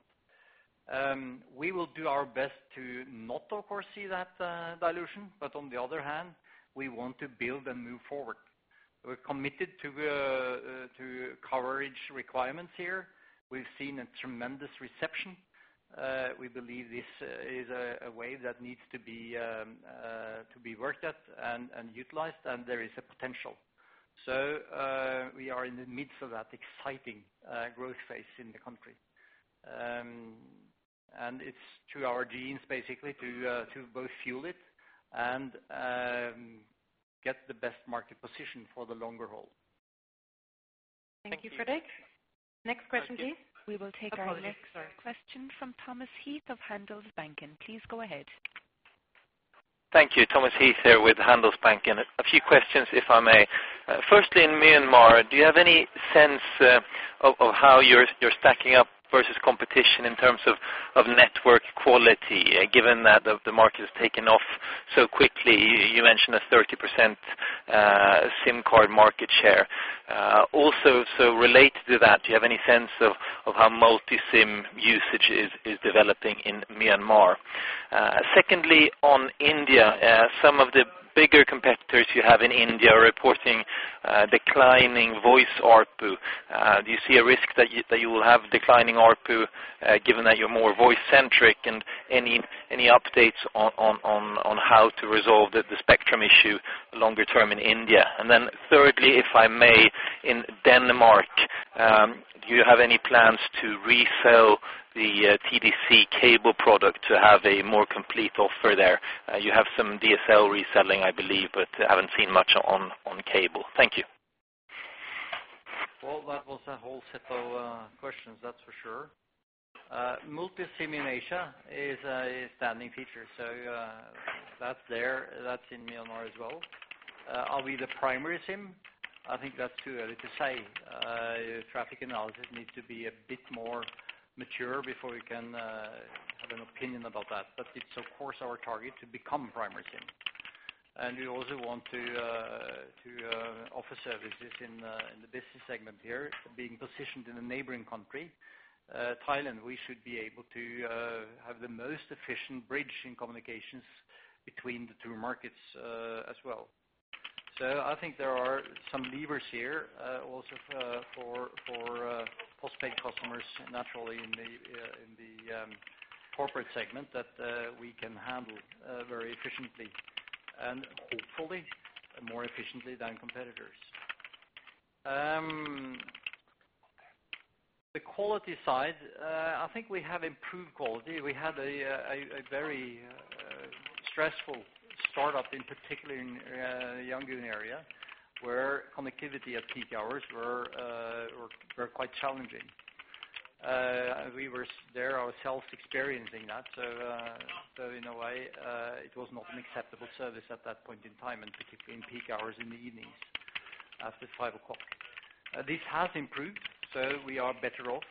We will do our best to not, of course, see that dilution, but on the other hand, we want to build and move forward. We're committed to coverage requirements here. We've seen a tremendous reception. We believe this is a way that needs to be worked at and utilized, and there is a potential. So, we are in the midst of that exciting growth phase in the country. And it's to our genes, basically, to both fuel it and get the best market position for the longer haul. Thank you, Fredrik. Next question, please. We will take our next question from Thomas Heath of Handelsbanken. Please go ahead. Thank you. Thomas Heath here with Handelsbanken. A few questions, if I may. Firstly, in Myanmar, do you have any sense of how you're stacking up versus competition in terms of network quality, given that the market has taken off so quickly? You mentioned a 30% SIM card market share. Also, related to that, do you have any sense of how multi-SIM usage is developing in Myanmar? Secondly, on India, some of the bigger competitors you have in India are reporting declining voice ARPU. Do you see a risk that you will have declining ARPU, given that you're more voice-centric? And any updates on how to resolve the spectrum issue longer term in India? And then thirdly, if I may, in Denmark, do you have any plans to resell the TDC cable product to have a more complete offer there? You have some DSL reselling, I believe, but I haven't seen much on cable. Thank you. Well, that was a whole set of questions, that's for sure. Multi-SIM in Asia is a standing feature, so that's there, that's in Myanmar as well. Are we the primary SIM? I think that's too early to say. Traffic analysis needs to be a bit more mature before we can have an opinion about that. But it's of course our target to become primary SIM. And we also want to offer services in the business segment here. Being positioned in a neighboring country, Thailand, we should be able to have the most efficient bridge in communications between the two markets, as well. So I think there are some levers here, also for post-paid customers, naturally in the corporate segment, that we can handle very efficiently, and hopefully more efficiently than competitors. The quality side, I think we have improved quality. We had a very stressful startup, in particular in Yangon area, where connectivity at peak hours were quite challenging. We were there ourselves, experiencing that, so in a way, it was not an acceptable service at that point in time, and particularly in peak hours in the evenings, after five o'clock. This has improved, so we are better off.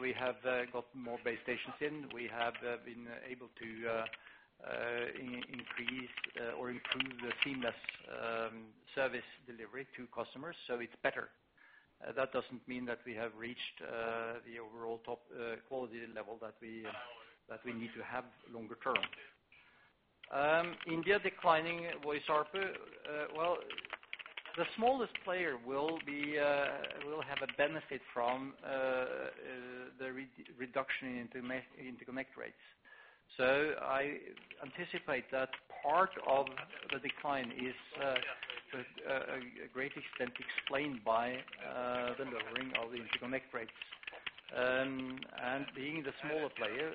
We have got more base stations in. We have been able to increase or improve the seamless service delivery to customers, so it's better. That doesn't mean that we have reached the overall top quality level that we need to have longer term. India declining voice ARPU, well, the smallest player will have a benefit from the reduction in interconnect rates. So I anticipate that part of the decline is a great extent explained by the lowering of the interconnect rates. And being the smaller player,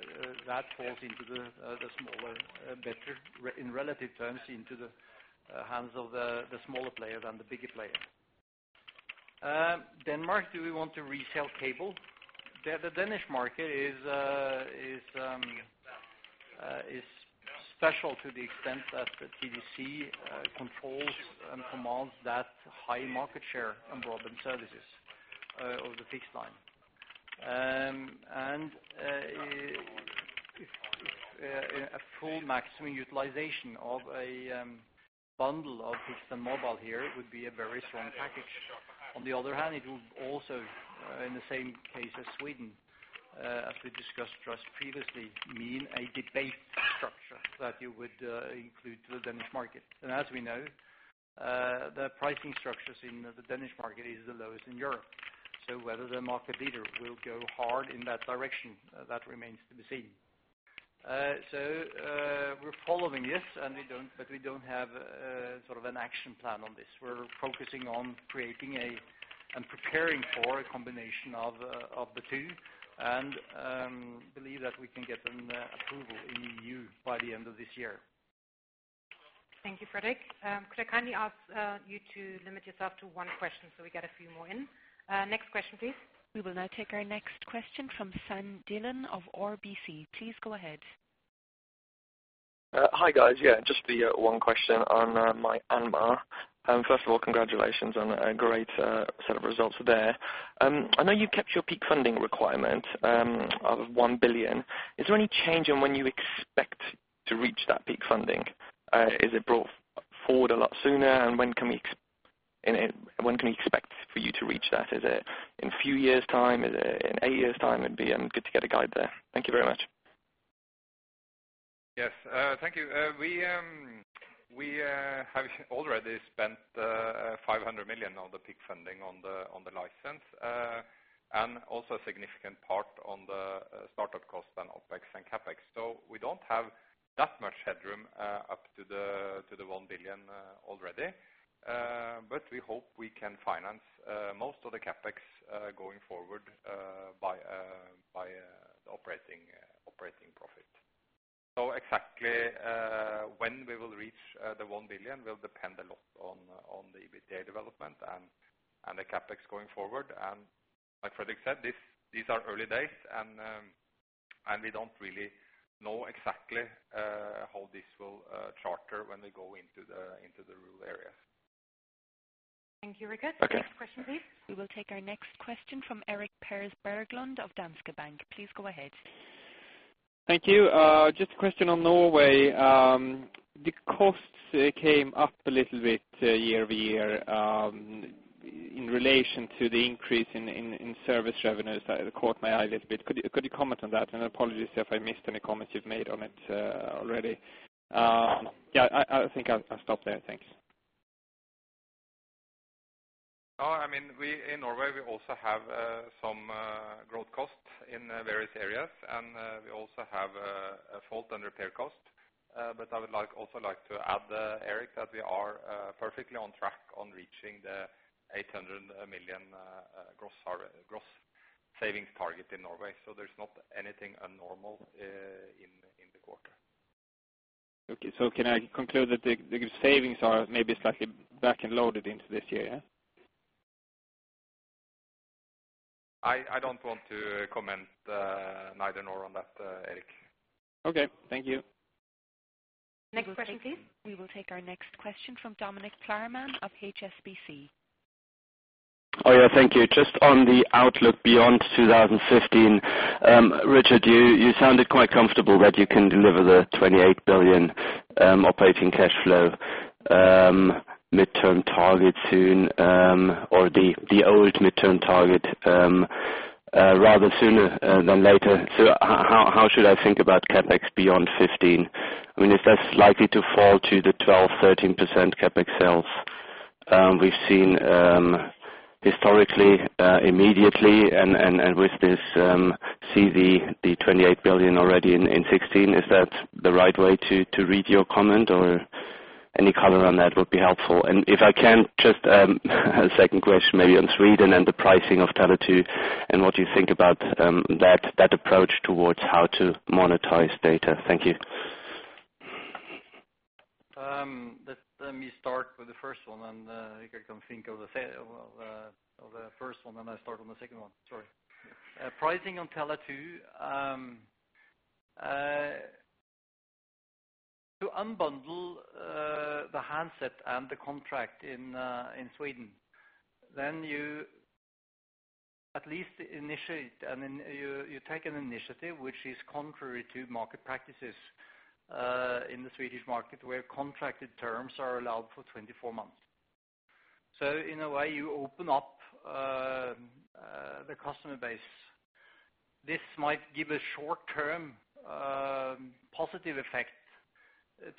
that falls into the smaller better in relative terms into the hands of the smaller player than the bigger player. Denmark, do we want to resell cable? The Danish market is special to the extent that the TDC controls and commands that high market share on broadband services over fixed line. And if a full maximum utilization of a bundle of fixed and mobile here, it would be a very strong package. On the other hand, it would also, in the same case as Sweden, as we discussed just previously, mean a debate structure that you would include to the Danish market. And as we know, the pricing structures in the Danish market is the lowest in Europe. So whether the market leader will go hard in that direction, that remains to be seen. So we're following this, and we don't, but we don't have sort of an action plan on this. We're focusing on creating a, and preparing for a combination of, of the two, and, believe that we can get an, approval in EU by the end of this year. Thank you, Fredrik. Could I kindly ask you to limit yourself to one question, so we get a few more in? Next question, please. We will now take our next question from Sam Dillon of RBC. Please go ahead. Hi, guys. Yeah, just the one question on Myanmar. First of all, congratulations on a great set of results there. I know you kept your peak funding requirement of $1 billion. Is there any change in when you expect to reach that peak funding? Is it brought forward a lot sooner, and when can we expect for you to reach that? Is it in a few years' time? Is it in eight years' time? It'd be good to get a guide there. Thank you very much. Yes, thank you. We have already spent $500 million on the peak funding on the license. And also a significant part on the startup cost and OpEx and CapEx. So we don't have that much headroom up to the $1 billion already. But we hope we can finance most of the CapEx going forward by the operating profit. So exactly when we will reach the $1 billion will depend a lot on the EBITDA development and the CapEx going forward. And like Fredrik said, these are early days, and we don't really know exactly how this will charter when we go into the rural areas. .Thank you, Richard. Next question, please. We will take our next question from Erik Pers Berglund of Danske Bank. Please go ahead. Thank you. Just a question on Norway. The costs came up a little bit year-over-year in relation to the increase in service revenues. It caught my eye a little bit. Could you comment on that? And apologies if I missed any comments you've made on it already. Yeah, I think I'll stop there. Thanks. Oh, I mean, we in Norway also have some growth costs in various areas, and we also have a fault and repair cost. But I would like also like to add, Erik, that we are perfectly on track on reaching the 800 million gross savings target in Norway. So there's not anything abnormal in the quarter. Okay. So can I conclude that the savings are maybe slightly back-end loaded into this year, yeah? I don't want to comment, neither nor on that, Erik. Okay. Thank you. Next question, please. We will take our next question from Dominik Klarmann of HSBC. Oh, yeah, thank you. Just on the outlook beyond 2015, Richard, you sounded quite comfortable that you can deliver the 28 billion operating cash flow mid-term target soon, or the old mid-term target, rather sooner than later. So how should I think about CapEx beyond 2015? I mean, is that likely to fall to the 12%-13% CapEx sales we've seen historically immediately, and with this see the 28 billion already in 2016? Is that the right way to read your comment, or any color on that would be helpful. And if I can, just a second question maybe on Sweden and the pricing of Tele2, and what you think about that approach towards how to monetize data. Thank you. Let me start with the first one, and I can think of the first one, and start on the second one. Sorry. Pricing on Tele2 to unbundle the handset and the contract in Sweden, then you at least initiate, and then you take an initiative which is contrary to market practices in the Swedish market, where contracted terms are allowed for 24 months. So in a way, you open up the customer base. This might give a short-term positive effect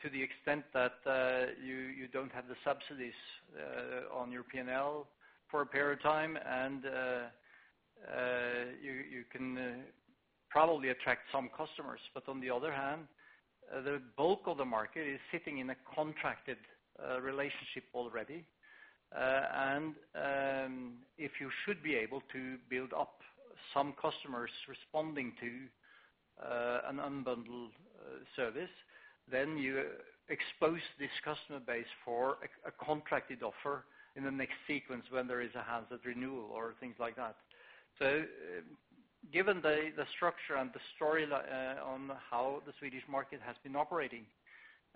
to the extent that you don't have the subsidies on your P&L for a period of time, and you can probably attract some customers. But on the other hand, the bulk of the market is sitting in a contracted relationship already. If you should be able to build up some customers responding to an unbundled service, then you expose this customer base for a contracted offer in the next sequence, when there is a handset renewal or things like that. Given the structure and the story on how the Swedish market has been operating,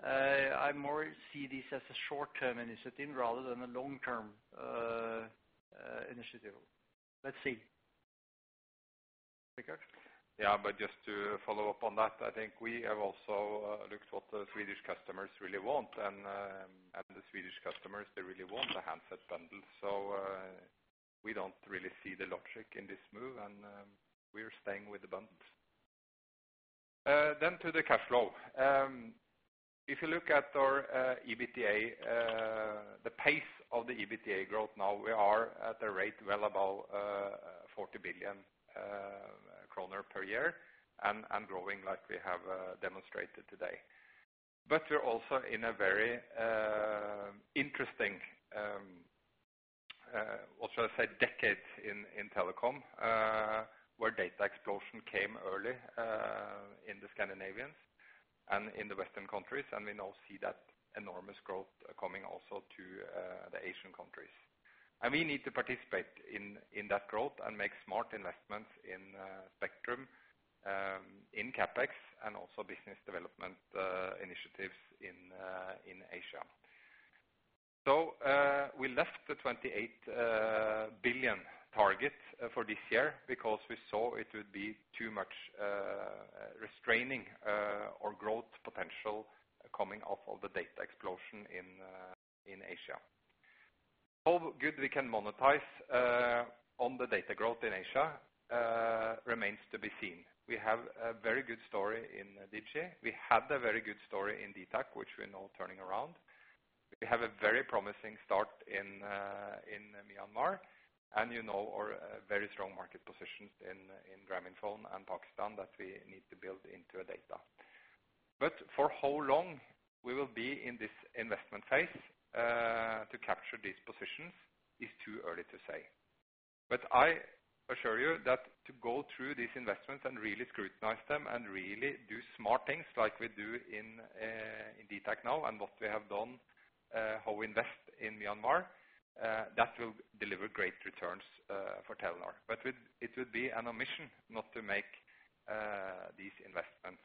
I more see this as a short-term initiative rather than a long-term initiative. Let's see. Okay. Yeah, but just to follow up on that, I think we have also looked what the Swedish customers really want, and, and the Swedish customers, they really want the handset bundle. So, we don't really see the logic in this move, and, we are staying with the bundles. Then to the cash flow. If you look at our EBITDA, the pace of the EBITDA growth, now we are at a rate well above 40 billion kroner per year, and, growing like we have demonstrated today. But we're also in a very interesting, what should I say, decade in, in telecom, where data explosion came early, in the Scandinavians and in the Western countries, and we now see that enormous growth coming also to the Asian countries. And we need to participate in that growth and make smart investments in spectrum, in CapEx, and also business development initiatives in Asia. So we left the 28 billion target for this year because we saw it would be too much restraining our growth potential coming off of the data explosion in Asia. How good we can monetize on the data growth in Asia remains to be seen. We have a very good story in Digi. We had a very good story in dtac, which we're now turning around. We have a very promising start in Myanmar, and you know, our very strong market positions in Grameenphone and Pakistan, that we need to build into a data. But for how long we will be in this investment phase, to capture these positions, is too early to say. But I assure you that to go through these investments and really scrutinize them and really do smart things like we do in, in dtac now, and what we have done, how we invest in Myanmar, that will deliver great returns, for Telenor. But it, it would be an omission not to make, these investments,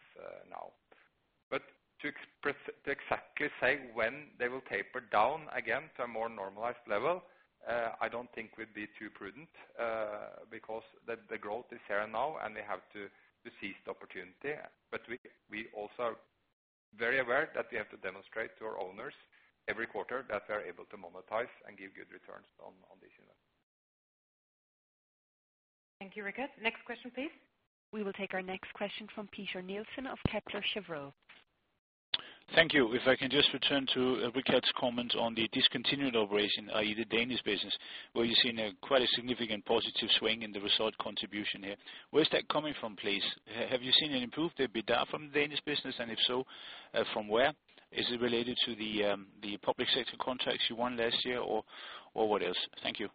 now. But to express, to exactly say when they will taper down again to a more normalized level, I don't think we'd be too prudent, because the, the growth is here and now, and they have to, to seize the opportunity. But we, we also are very aware that we have to demonstrate to our owners every quarter that they are able to monetize and give good returns on, on this, you know. Thank you, Richard. Next question, please. We will take our next question from Peter Nielsen of Kepler Cheuvreux. Thank you. If I can just return to Richard's comment on the discontinued operation, i.e., the Danish business, where you've seen quite a significant positive swing in the result contribution here. Where is that coming from, please? Have you seen an improved EBITDA from the Danish business, and if so, from where? Is it related to the public sector contracts you won last year, or what else? Thank you.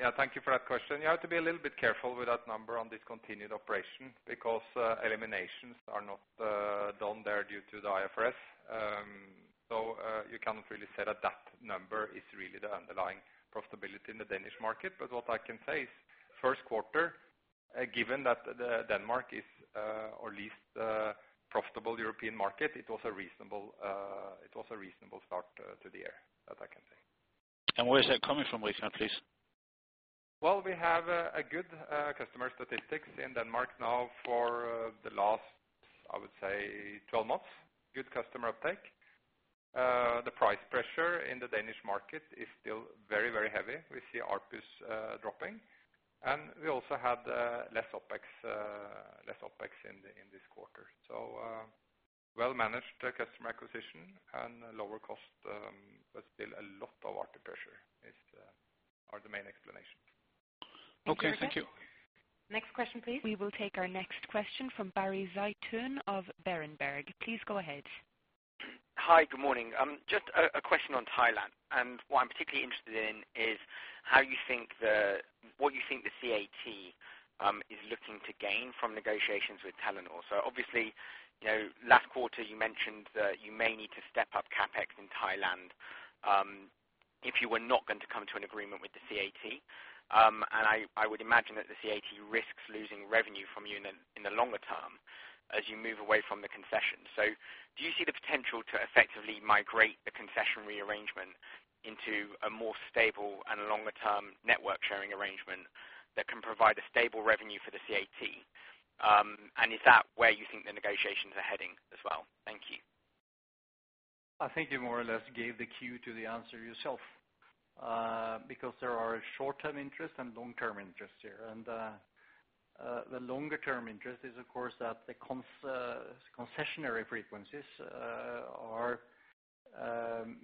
Yeah, thank you for that question. You have to be a little bit careful with that number on discontinued operation because eliminations are not done there due to the IFRS. So, you cannot really say that that number is really the underlying profitability in the Danish market. But what I can say is, first quarter, given that the Denmark is our least profitable European market, it was a reasonable, it was a reasonable start to the year, that I can say. Where is that coming from, Richard, please? Well, we have a good customer statistics in Denmark now for the last, I would say, 12 months. Good customer uptake. The price pressure in the Danish market is still very, very heavy. We see ARPU dropping, and we also had less OpEx in this quarter. So, well-managed customer acquisition and lower cost, but still a lot of ARPU pressure are the main explanations. Okay, thank you. Next question, please. We will take our next question from Barry Zeitoune of Berenberg. Please go ahead. Hi, good morning. Just a question on Thailand, and what I'm particularly interested in is what you think the CAT is looking to gain from negotiations with Telenor. So obviously, you know, last quarter, you mentioned that you may need to step up CapEx in Thailand, if you were not going to come to an agreement with the CAT. And I would imagine that the CAT risks losing revenue from you in the longer term as you move away from the concession. So do you see the potential to effectively migrate the concession rearrangement into a more stable and longer-term network-sharing arrangement that can provide a stable revenue for the CAT? And is that where you think the negotiations are heading as well? Thank you. I think you more or less gave the cue to the answer yourself, because there are short-term interests and long-term interests here. The longer-term interest is, of course, that the concessionary frequencies are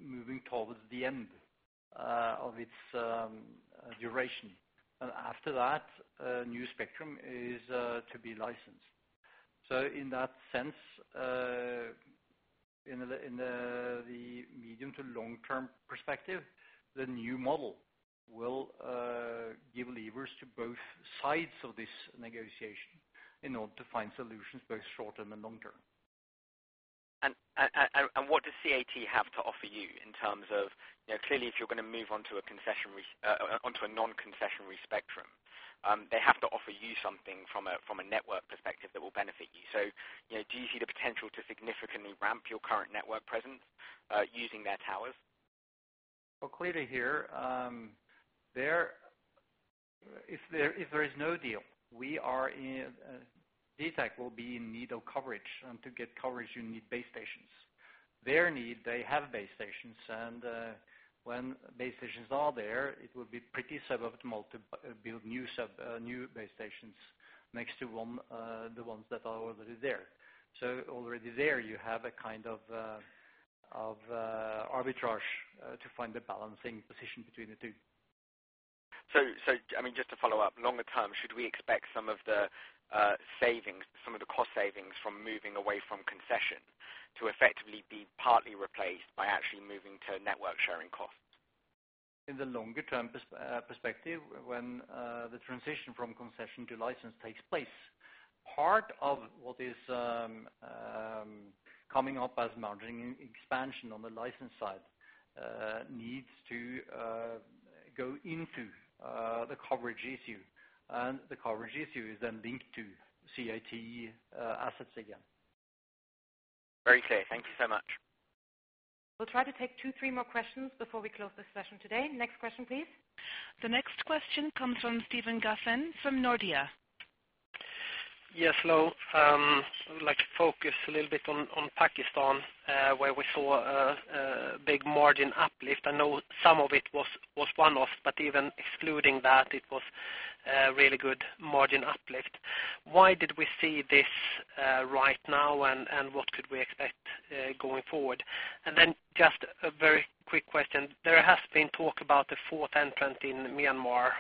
moving towards the end of its duration. After that, a new spectrum is to be licensed. So in that sense, in the medium to long-term perspective, the new model will give levers to both sides of this negotiation in order to find solutions, both short-term and long-term. And what does CAT have to offer you in terms of-- You know, clearly, if you're gonna move on to a concessionary, on to a non-concessionary spectrum, they have to offer you something from a, from a network perspective that will benefit you. So, you know, do you see the potential to significantly ramp your current network presence, using their towers? Well, clearly, if there is no deal, we are in, dtac will be in need of coverage, and to get coverage, you need base stations. They need, they have base stations, and when base stations are there, it will be pretty suboptimal to build new base stations next to the ones that are already there. So already there, you have a kind of arbitrage to find a balancing position between the two. So, I mean, just to follow up, longer term, should we expect some of the savings, some of the cost savings from moving away from concession to effectively be partly replaced by actually moving to network sharing costs? In the longer-term perspective, when the transition from concession to license takes place, part of what is coming up as margin expansion on the license side needs to go into the coverage issue, and the coverage issue is then linked to CAT assets again. Very clear. Thank you so much. We'll try to take two, three more questions before we close this session today. Next question, please. The next question comes from Stefan Glevén from Nordea. Yes, hello. I would like to focus a little bit on Pakistan, where we saw a big margin uplift. I know some of it was one-off, but even excluding that, it was a really good margin uplift. Why did we see this right now, and what could we expect going forward? And then just a very quick question: There has been talk about the fourth entrant in Myanmar.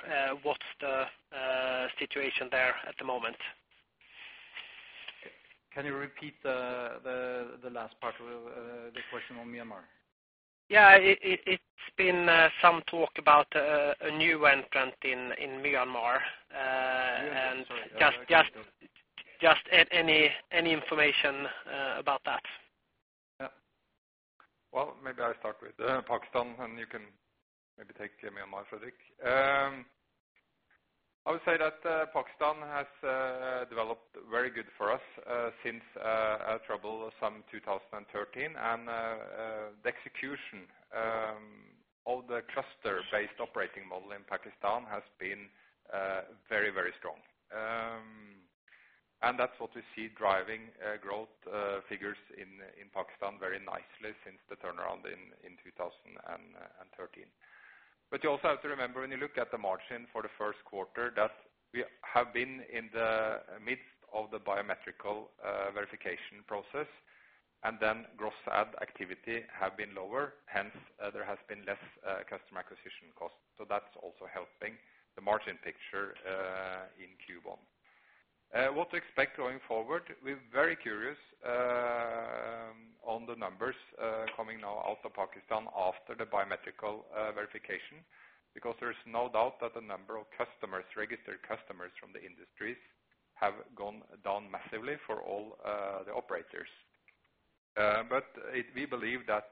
What's the situation there at the moment? Can you repeat the last part of the question on Myanmar? Yeah, it's been some talk about a new entrant in Myanmar. Myanmar, sorry... Just any information about that? Yeah. Well, maybe I'll start with Pakistan, and you can maybe take Myanmar, Fredrik. I would say that Pakistan has developed very good for us since our troublesome 2013. And the execution of the cluster-based operating model in Pakistan has been very, very strong. And that's what we see driving growth figures in Pakistan very nicely since the turnaround in 2013. But you also have to remember, when you look at the margin for the first quarter, that we have been in the midst of the biometric verification process, and then gross add activity have been lower, hence there has been less customer acquisition costs. So that's also helping the margin picture in Q1. What to expect going forward? We're very curious on the numbers coming now out of Pakistan after the biometric verification, because there is no doubt that the number of customers, registered customers from the industries, have gone down massively for all the operators. But we believe that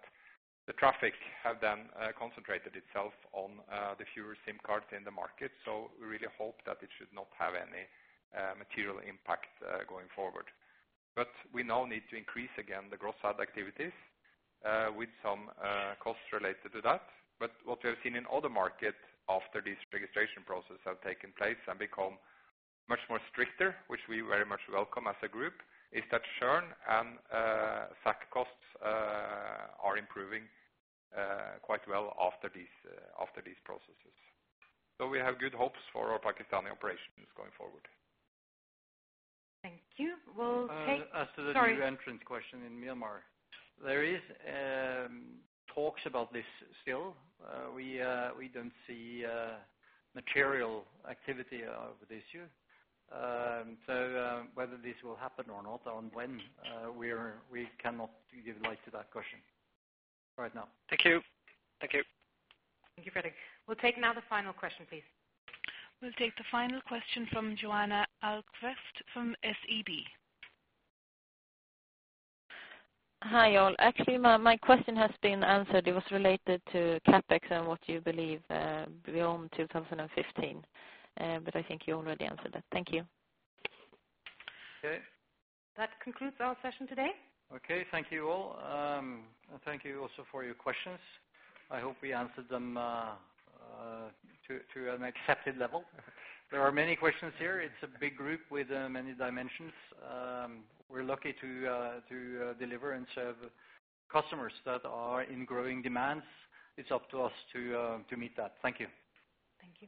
the traffic have then concentrated itself on the fewer SIM cards in the market, so we really hope that it should not have any material impact going forward. But we now need to increase again the gross add activities with some costs related to that. But what we have seen in other markets after this registration process have taken place and become much more stricter, which we very much welcome as a group, is that churn and SAC costs are improving quite well after these processes. We have good hopes for our Pakistani operations going forward. Thank you. We'll take- As to the- Sorry. New entrant question in Myanmar. There is talks about this still. We don't see material activity of this year. So, whether this will happen or not, and when, we cannot give light to that question right now. Thank you. Thank you. Thank you, Fredrik. We'll take now the final question, please. We'll take the final question from Johanna Ahlqvist from SEB. Hi, y'all. Actually, my question has been answered. It was related to CapEx and what you believe beyond 2015. But I think you already answered that. Thank you. Okay. That concludes our session today. Okay, thank you all. And thank you also for your questions. I hope we answered them to an accepted level. There are many questions here. It's a big group with many dimensions. We're lucky to deliver and serve customers that are in growing demands. It's up to us to meet that. Thank you. Thank you.